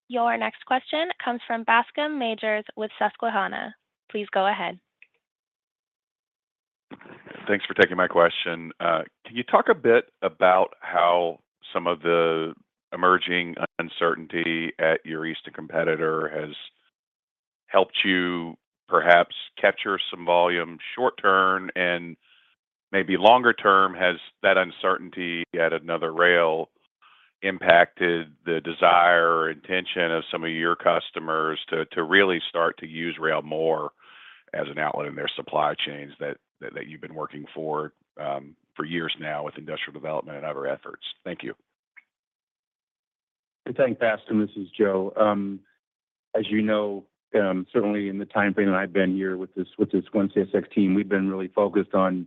Your next question comes from Bascome Majors with Susquehanna. Please go ahead. Thanks for taking my question. Can you talk a bit about how some of the emerging uncertainty at your eastern competitor has helped you perhaps capture some volume short term, and maybe longer term, has that uncertainty yet another rail impacted the desire or intention of some of your customers to really start to use rail more as an outlet in their supply chains that you've been working for years now with industrial development and other efforts? Thank you. Thanks, Bascome. This is Joe. As you know, certainly in the timeframe that I've been here with this, with this One CSX team, we've been really focused on,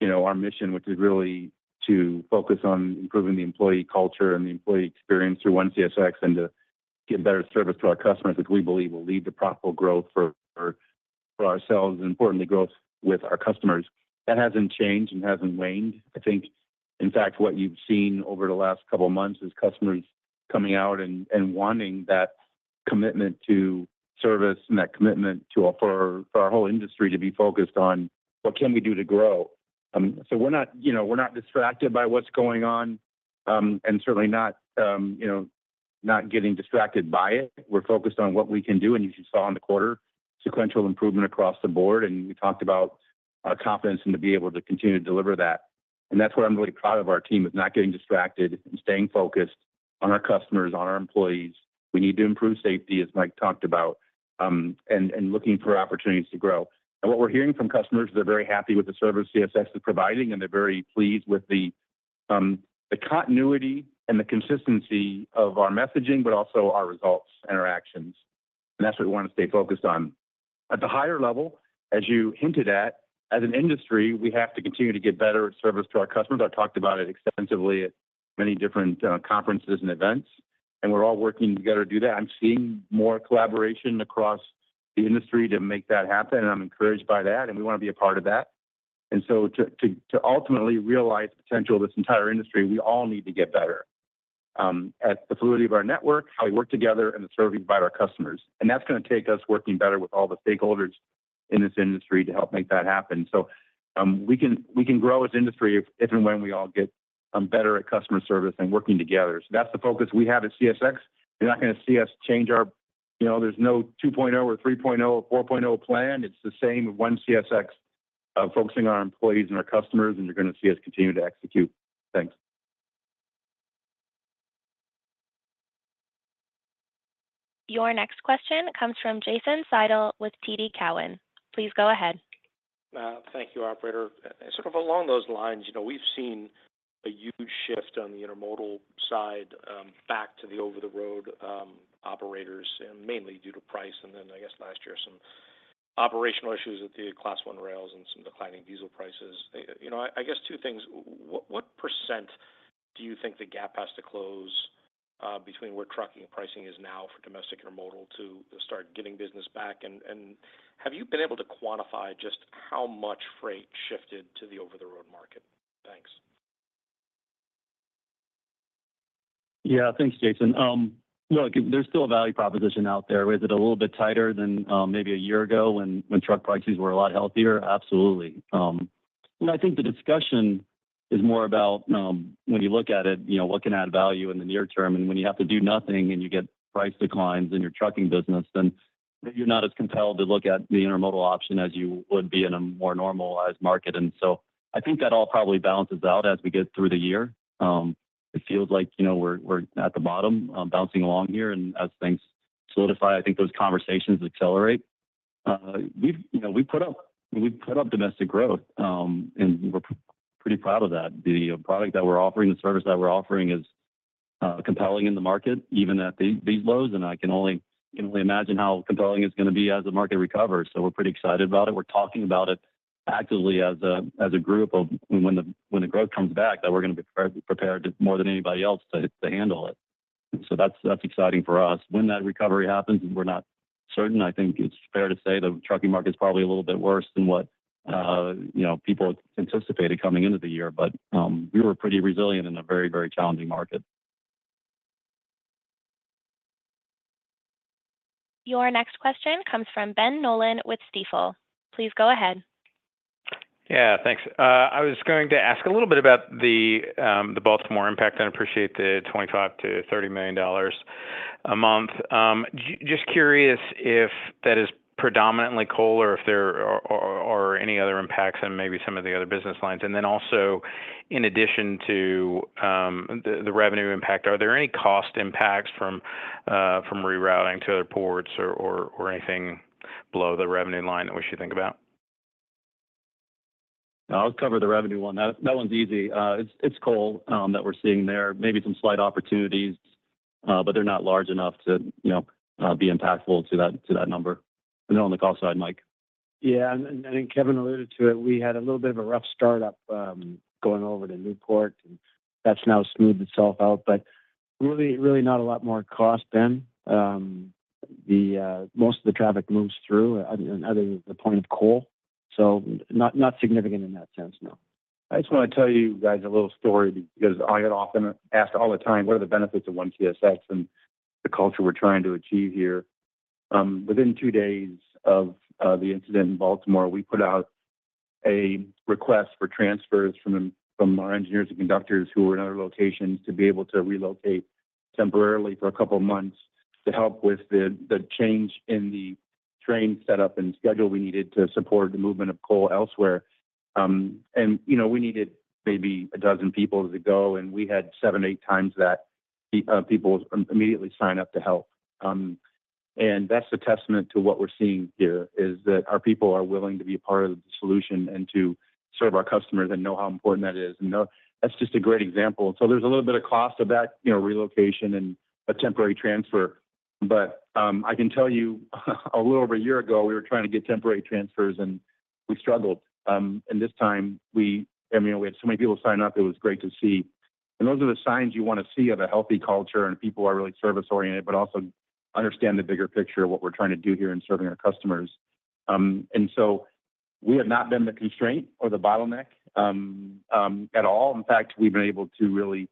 you know, our mission, which is really to focus on improving the employee culture and the employee experience through One CSX, and to give better service to our customers, which we believe will lead to profitable growth for, for ourselves and importantly, growth with our customers. That hasn't changed and hasn't waned. I think, in fact, what you've seen over the last couple of months is customers coming out and, and wanting that commitment to service and that commitment to, for our, for our whole industry to be focused on what can we do to grow. So we're not, you know, we're not distracted by what's going on, and certainly not, you know, not getting distracted by it. We're focused on what we can do, and you saw in the quarter, sequential improvement across the board, and we talked about our confidence and to be able to continue to deliver that. And that's what I'm really proud of our team, is not getting distracted and staying focused on our customers, on our employees. We need to improve safety, as Mike talked about, and looking for opportunities to grow. And what we're hearing from customers is they're very happy with the service CSX is providing, and they're very pleased with the continuity and the consistency of our messaging, but also our results and our actions. That's what we want to stay focused on. At the higher level, as you hinted at, as an industry, we have to continue to get better service to our customers. I've talked about it extensively at many different conferences and events, and we're all working together to do that. I'm seeing more collaboration across the industry to make that happen, and I'm encouraged by that, and we wanna be a part of that. And so to ultimately realize the potential of this entire industry, we all need to get better at the fluidity of our network, how we work together, and the service we provide our customers, and that's gonna take us working better with all the stakeholders in this industry to help make that happen. So, we can grow as an industry if and when we all get better at customer service and working together. So that's the focus we have at CSX. You're not gonna see us change our— You know, there's no 2.0 or 3.0, or 4.0 plan. It's the same ONE CSX, focusing on our employees and our customers, and you're gonna see us continue to execute. Thanks. Your next question comes from Jason Seidl with TD Cowen. Please go ahead. Thank you, operator. Sort of along those lines, you know, we've seen a huge shift on the intermodal side, back to the over-the-road, operators, and mainly due to price, and then I guess last year, some operational issues with the Class One rails and some declining diesel prices. You know, I guess two things: what percent do you think the gap has to close, between where trucking and pricing is now for domestic intermodal to start getting business back? And have you been able to quantify just how much freight shifted to the over-the-road market? Thanks. Yeah. Thanks, Jason. Look, there's still a value proposition out there. Is it a little bit tighter than maybe a year ago when truck prices were a lot healthier? Absolutely. And I think the discussion is more about when you look at it, you know, what can add value in the near term? And when you have to do nothing, and you get price declines in your trucking business, then you're not as compelled to look at the intermodal option as you would be in a more normalized market. And so I think that all probably balances out as we get through the year. It feels like, you know, we're at the bottom, bouncing along here, and as things solidify, I think those conversations accelerate. We've, you know, we put up, we've put up domestic growth, and we're pretty proud of that. The product that we're offering, the service that we're offering is compelling in the market, even at these, these lows, and I can only, only imagine how compelling it's gonna be as the market recovers. So we're pretty excited about it. We're talking about it actively as a, as a group of when the, when the growth comes back, that we're gonna be pre-prepared more than anybody else to, to handle it. So that's, that's exciting for us. When that recovery happens, and we're not certain, I think it's fair to say the trucking market is probably a little bit worse than what, you know, people anticipated coming into the year, but we were pretty resilient in a very, very challenging market. Your next question comes from Ben Nolan with Stifel. Please go ahead. Yeah, thanks. I was going to ask a little bit about the Baltimore impact. I appreciate the $25million-$30 million a month. Just curious if that is predominantly coal or if there are any other impacts on maybe some of the other business lines. And then also, in addition to the revenue impact, are there any cost impacts from rerouting to other ports or anything below the revenue line that we should think about? I'll cover the revenue one. That, that one's easy. It's coal that we're seeing there. Maybe some slight opportunities, but they're not large enough to, you know, be impactful to that number. And then on the cost side, Mike. Yeah, and, and I think Kevin alluded to it. We had a little bit of a rough startup, going over to Newport, and that's now smoothed itself out, but really, really not a lot more cost than, the most of the traffic moves through other than the point of coal. So not, not significant in that sense, no. I just wanna tell you guys a little story because I get often asked all the time, "What are the benefits of ONE CSX and the culture we're trying to achieve here?" Within two days of the incident in Baltimore, we put out a request for transfers from our engineers and conductors who were in other locations to be able to relocate temporarily for a couple of months to help with the change in the train setup and schedule we needed to support the movement of coal elsewhere. And, you know, we needed maybe 12 people to go, and we had 7-8 times that people immediately sign up to help. And that's a testament to what we're seeing here, is that our people are willing to be a part of the solution and to serve our customers and know how important that is, and, that's just a great example. So there's a little bit of cost of that, you know, relocation and a temporary transfer. But, I can tell you, a little over a year ago, we were trying to get temporary transfers, and we struggled. And this time, we—I mean, we had so many people sign up, it was great to see. And those are the signs you wanna see of a healthy culture and people are really service-oriented, but also understand the bigger picture of what we're trying to do here in serving our customers. And so we have not been the constraint or the bottleneck at all. In fact, we've been able to really...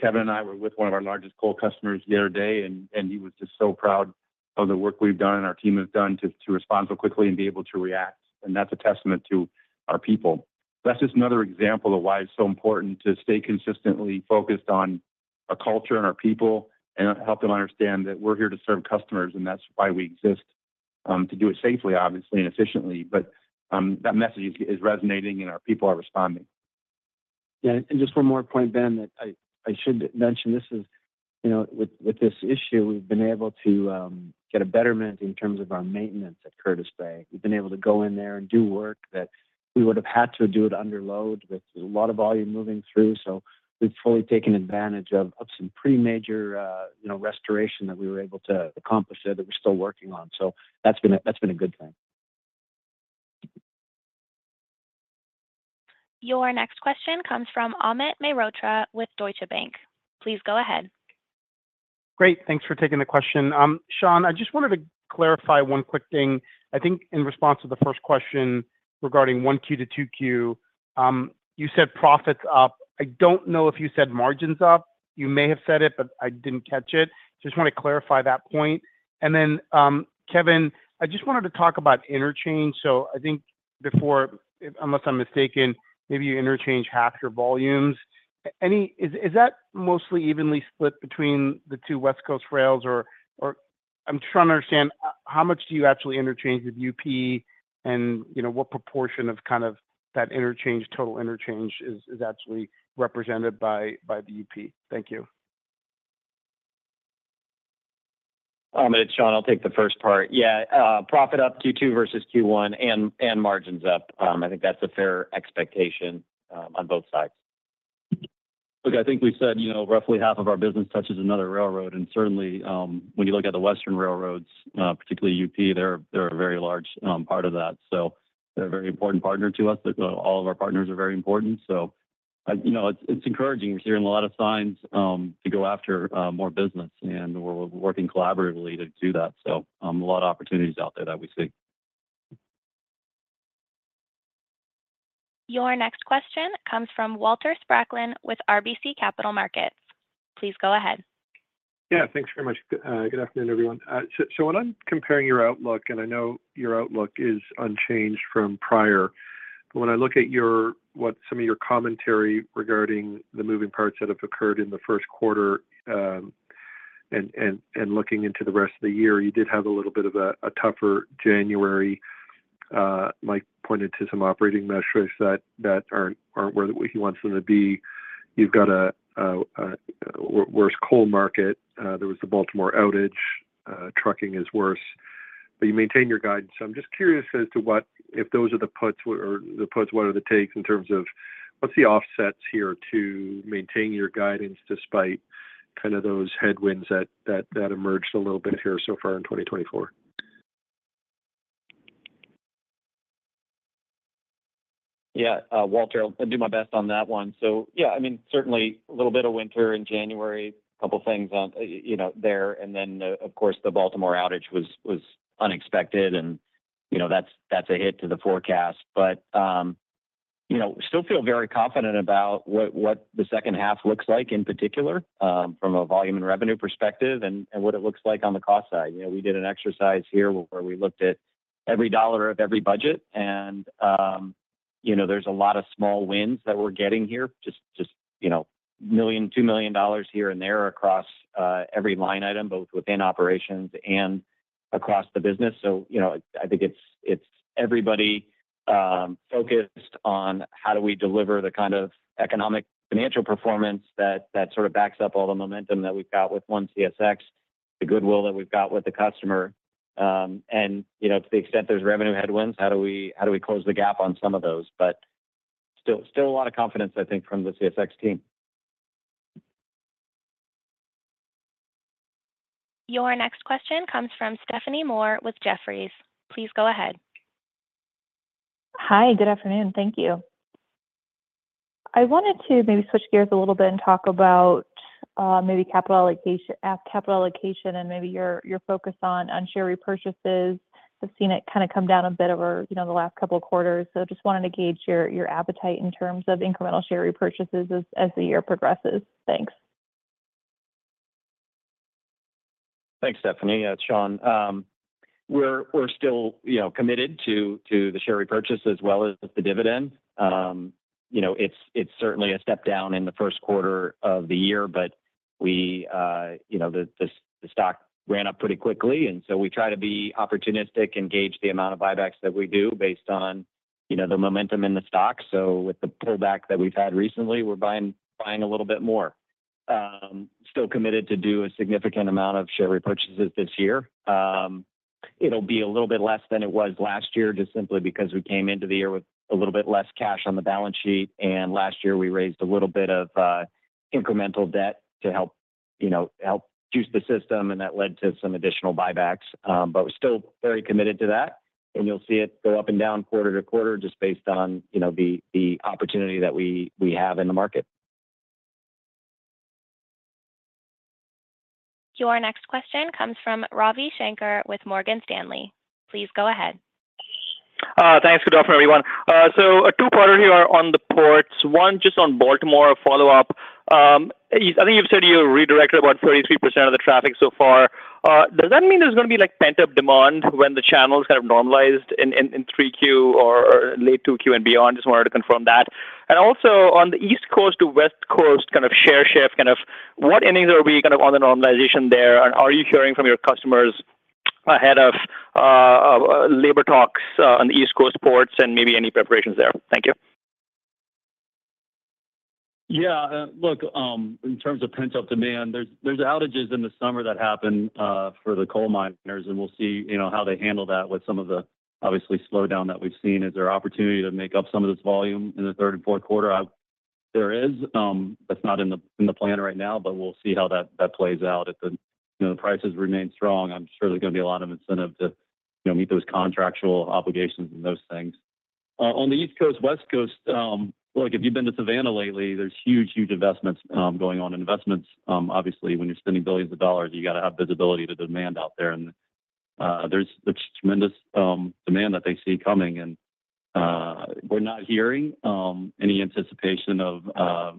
Kevin and I were with one of our largest coal customers the other day, and, and he was just so proud of the work we've done and our team has done to, to respond so quickly and be able to react, and that's a testament to our people. That's just another example of why it's so important to stay consistently focused on our culture and our people, and help them understand that we're here to serve customers, and that's why we exist, to do it safely, obviously, and efficiently. But, that message is, is resonating and our people are responding. Yeah, and just one more point, Ben, that I, I should mention. This is, you know, with this issue, we've been able to get a betterment in terms of our maintenance at Curtis Bay. We've been able to go in there and do work that we would have had to do it under load with a lot of volume moving through, so we've fully taken advantage of some pretty major, you know, restoration that we were able to accomplish there, that we're still working on. So that's been a good thing. Your next question comes from Amit Mehrotra with Deutsche Bank. Please go ahead. Great. Thanks for taking the question. Sean, I just wanted to clarify one quick thing. I think in response to the first question regarding 1Q-2Q, you said profits up. I don't know if you said margins up. You may have said it, but I didn't catch it. Just want to clarify that point. And then, Kevin, I just wanted to talk about interchange. So I think before, unless I'm mistaken, maybe you interchange half your volumes. Is that mostly evenly split between the two West Coast rails or I'm just trying to understand how much you actually interchange with UP and, you know, what proportion of kind of that interchange, total interchange is actually represented by the UP? Thank you. Amit, it's Sean. I'll take the first part. Yeah, profit up Q2 versus Q1, and, and margins up. I think that's a fair expectation, on both sides. Look, I think we've said, you know, roughly half of our business touches another railroad, and certainly, when you look at the Western railroads, particularly UP, they're a very large part of that. So they're a very important partner to us. But, all of our partners are very important. So, you know, it's encouraging. We're hearing a lot of signs to go after more business, and we're working collaboratively to do that. So, a lot of opportunities out there that we see. Your next question comes from Walter Spracklin with RBC Capital Markets. Please go ahead. Yeah, thanks very much. Good afternoon, everyone. So when I'm comparing your outlook, and I know your outlook is unchanged from prior, but when I look at your, what some of your commentary regarding the moving parts that have occurred in the first quarter, and looking into the rest of the year, you did have a little bit of a tougher January. Mike pointed to some operating measures that aren't where he wants them to be. You've got a worse coal market. There was the Baltimore outage. Trucking is worse, but you maintain your guidance. So I'm just curious as to what if those are the puts, what are the puts, what are the takes in terms of what's the offsets here to maintain your guidance, despite kind of those headwinds that emerged a little bit here so far in 2024? Yeah, Walter, I'll do my best on that one. So yeah, I mean, certainly a little bit of winter in January, a couple of things on, you know, there. And then, of course, the Baltimore outage was, was unexpected and, you know, that's, that's a hit to the forecast. But, you know, still feel very confident about what, what the second half looks like, in particular, from a volume and revenue perspective and, and what it looks like on the cost side. You know, we did an exercise here where we looked at every dollar of every budget, and, you know, there's a lot of small wins that we're getting here, just, just, you know, $1 million, $2 million dollars here and there across, every line item, both within operations and across the business. So, you know, I think it's, it's everybody focused on how do we deliver the kind of economic financial performance that, that sort of backs up all the momentum that we've got with ONE CSX, the goodwill that we've got with the customer. And, you know, to the extent there's revenue headwinds, how do we, how do we close the gap on some of those? But still, still a lot of confidence, I think, from the CSX team. Your next question comes from Stephanie Moore with Jefferies. Please go ahead. Hi, good afternoon. Thank you. I wanted to maybe switch gears a little bit and talk about, maybe capital allocation and maybe your, your focus on, on share repurchases. I've seen it kind of come down a bit over, you know, the last couple of quarters. So just wanted to gauge your, your appetite in terms of incremental share repurchases as, as the year progresses. Thanks. Thanks, Stephanie. Yeah, it's Sean. We're still, you know, committed to the share repurchase as well as the dividend. You know, it's certainly a step down in the first quarter of the year, but we, you know, the stock ran up pretty quickly, and so we try to be opportunistic and gauge the amount of buybacks that we do based on, you know, the momentum in the stock. So with the pullback that we've had recently, we're buying a little bit more. Still committed to do a significant amount of share repurchases this year. It'll be a little bit less than it was last year, just simply because we came into the year with a little bit less cash on the balance sheet, and last year we raised a little bit of incremental debt to help, you know, help juice the system, and that led to some additional buybacks. But we're still very committed to that, and you'll see it go up and down quarter to quarter, just based on, you know, the opportunity that we have in the market. Your next question comes from Ravi Shanker with Morgan Stanley. Please go ahead. Thanks. Good afternoon, everyone. So two part here on the ports. One, just on Baltimore, a follow-up. I think you've said you redirected about 33% of the traffic so far. Does that mean there's going to be, like, pent-up demand when the channels have normalized in 3Q or late 2Q and beyond? Just wanted to confirm that. And also on the East Coast to West Coast, kind of share shift, kind of what innings are we gonna on the normalization there? And are you hearing from your customers ahead of labor talks on the East Coast ports and maybe any preparations there? Thank you. Yeah, look, in terms of pent-up demand, there's, there's outages in the summer that happened, for the coal miners, and we'll see, you know, how they handle that with some of the obviously slowdown that we've seen. Is there opportunity to make up some of this volume in the third and fourth quarter? There is, that's not in the, in the plan right now, but we'll see how that, that plays out. If the, you know, the prices remain strong, I'm sure there's gonna be a lot of incentive to, you know, meet those contractual obligations and those things. On the East Coast, West Coast, look, if you've been to Savannah lately, there's huge, huge investments, going on. Investments, obviously, when you're spending billions of dollars, you gotta have visibility to demand out there. There's tremendous demand that they see coming in. We're not hearing any anticipation of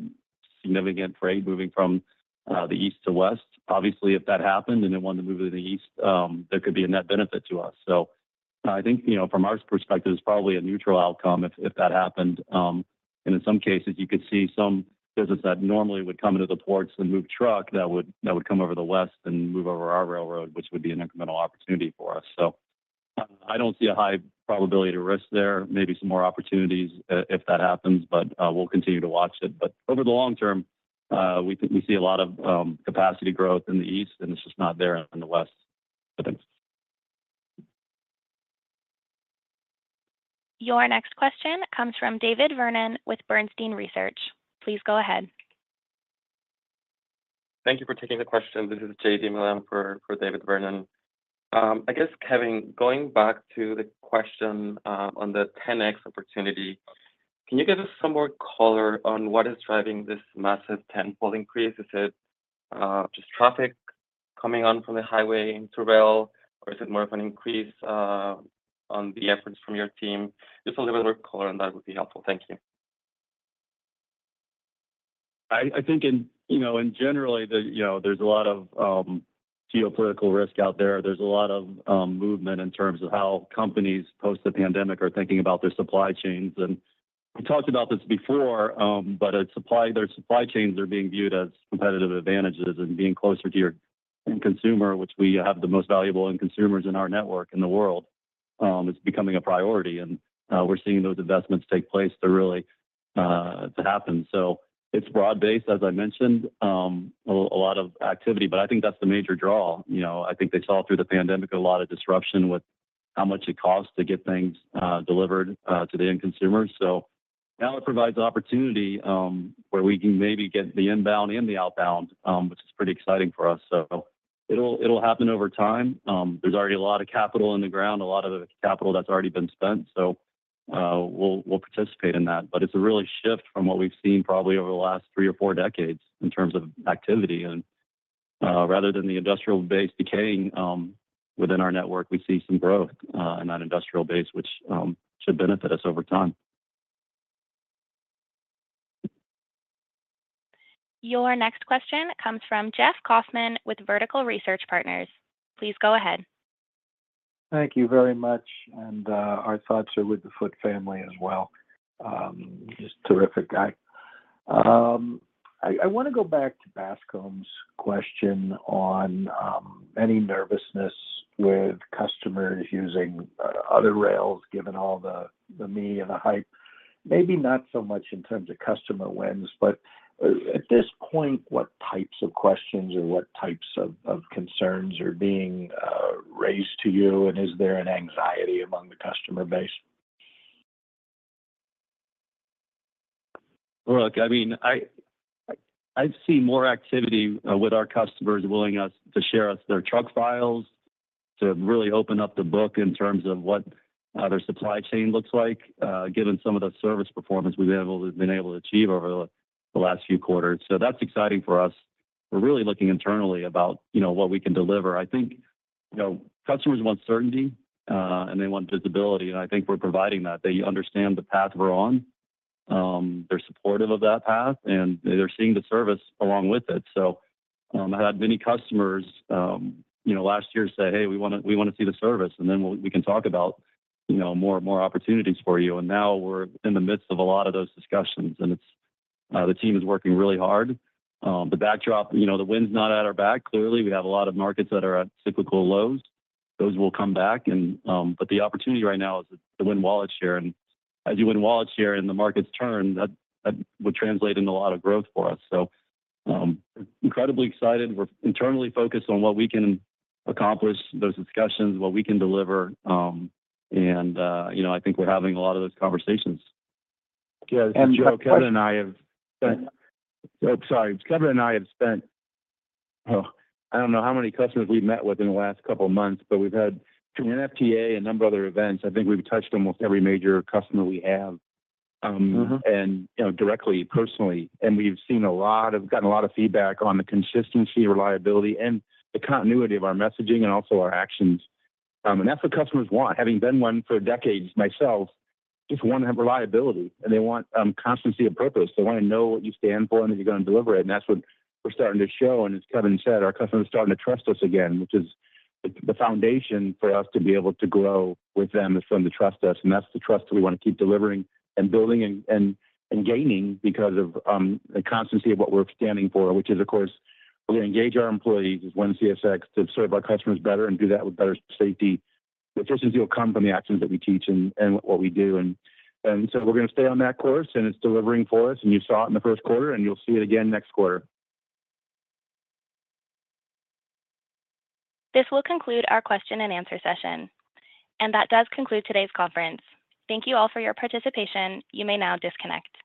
significant freight moving from the east to west. Obviously, if that happened and they wanted to move to the east, there could be a net benefit to us. So I think, you know, from our perspective, it's probably a neutral outcome if that happened. And in some cases, you could see some business that normally would come into the ports and move truck that would come over the west and move over our railroad, which would be an incremental opportunity for us. So I don't see a high probability to risk there. Maybe some more opportunities if that happens, but we'll continue to watch it. But over the long term, we see a lot of capacity growth in the East, and it's just not there in the West. Your next question comes from David Vernon with Bernstein Research. Please go ahead. Thank you for taking the question. This is JD Miller for David Vernon. I guess, Kevin, going back to the question, on the 10x opportunity, can you give us some more color on what is driving this massive tenfold increase? Is it just traffic coming on from the highway to rail, or is it more of an increase on the efforts from your team? Just a little bit more color on that would be helpful. Thank you. I think, you know, in general, you know, there's a lot of geopolitical risk out there. There's a lot of movement in terms of how companies post the pandemic are thinking about their supply chains. And we talked about this before, but their supply chains are being viewed as competitive advantages and being closer to your end consumer, which we have the most valuable end consumers in our network in the world, is becoming a priority. And we're seeing those investments take place to really to happen. So it's broad-based, as I mentioned, a lot of activity, but I think that's the major draw. You know, I think they saw through the pandemic, a lot of disruption with how much it costs to get things delivered to the end consumer. So now it provides an opportunity, where we can maybe get the inbound and the outbound, which is pretty exciting for us. So it'll happen over time. There's already a lot of capital in the ground, a lot of the capital that's already been spent, so we'll participate in that. But it's a real shift from what we've seen probably over the last three or four decades in terms of activity. Rather than the industrial base decaying within our network, we see some growth in that industrial base, which should benefit us over time. Your next question comes from Jeff Kauffman with Vertical Research Partners. Please go ahead. Thank you very much, and our thoughts are with the Foote family as well. Just terrific guy. I want to go back to Bascome's question on any nervousness with customers using other rails, given all the media and the hype. Maybe not so much in terms of customer wins, but at this point, what types of questions or what types of concerns are being raised to you, and is there an anxiety among the customer base? Look, I mean, I've seen more activity with our customers willing us to share us their truck files, to really open up the book in terms of what their supply chain looks like, given some of the service performance we've been able to achieve over the last few quarters. So that's exciting for us. We're really looking internally about, you know, what we can deliver. I think, you know, customers want certainty, and they want visibility, and I think we're providing that. They understand the path we're on, they're supportive of that path, and they're seeing the service along with it. So, I had many customers, you know, last year say, "Hey, we wanna see the service, and then we'll, we can talk about, you know, more opportunities for you." And now we're in the midst of a lot of those discussions, and it's the team is working really hard. The backdrop, you know, the wind's not at our back. Clearly, we have a lot of markets that are at cyclical lows. Those will come back, but the opportunity right now is to win wallet share. And as you win wallet share and the markets turn, that would translate into a lot of growth for us. So, incredibly excited. We're internally focused on what we can accomplish, those discussions, what we can deliver, and, you know, I think we're having a lot of those conversations. Yeah, and Joe, Kevin and I have spent. Sorry, Kevin and I have spent. I don't know how many customers we've met with in the last couple of months, but we've had an FSA and a number of other events. I think we've touched almost every major customer we have. Mm-hmm You know, directly, personally, and we've seen a lot of, gotten a lot of feedback on the consistency, reliability, and the continuity of our messaging and also our actions. And that's what customers want. Having been one for decades myself, just want to have reliability, and they want constancy of purpose. They want to know what you stand for and that you're going to deliver it. And that's what we're starting to show. And as Kevin said, our customers are starting to trust us again, which is the foundation for us to be able to grow with them, is for them to trust us. And that's the trust that we want to keep delivering and building and gaining because of the constancy of what we're standing for, which is, of course, we're going to engage our employees as ONE CSX, to serve our customers better and do that with better safety. The trust is going to come from the actions that we teach and what we do. And so we're going to stay on that course, and it's delivering for us, and you saw it in the first quarter, and you'll see it again next quarter. This will conclude our question and answer session. That does conclude today's conference. Thank you all for your participation. You may now disconnect.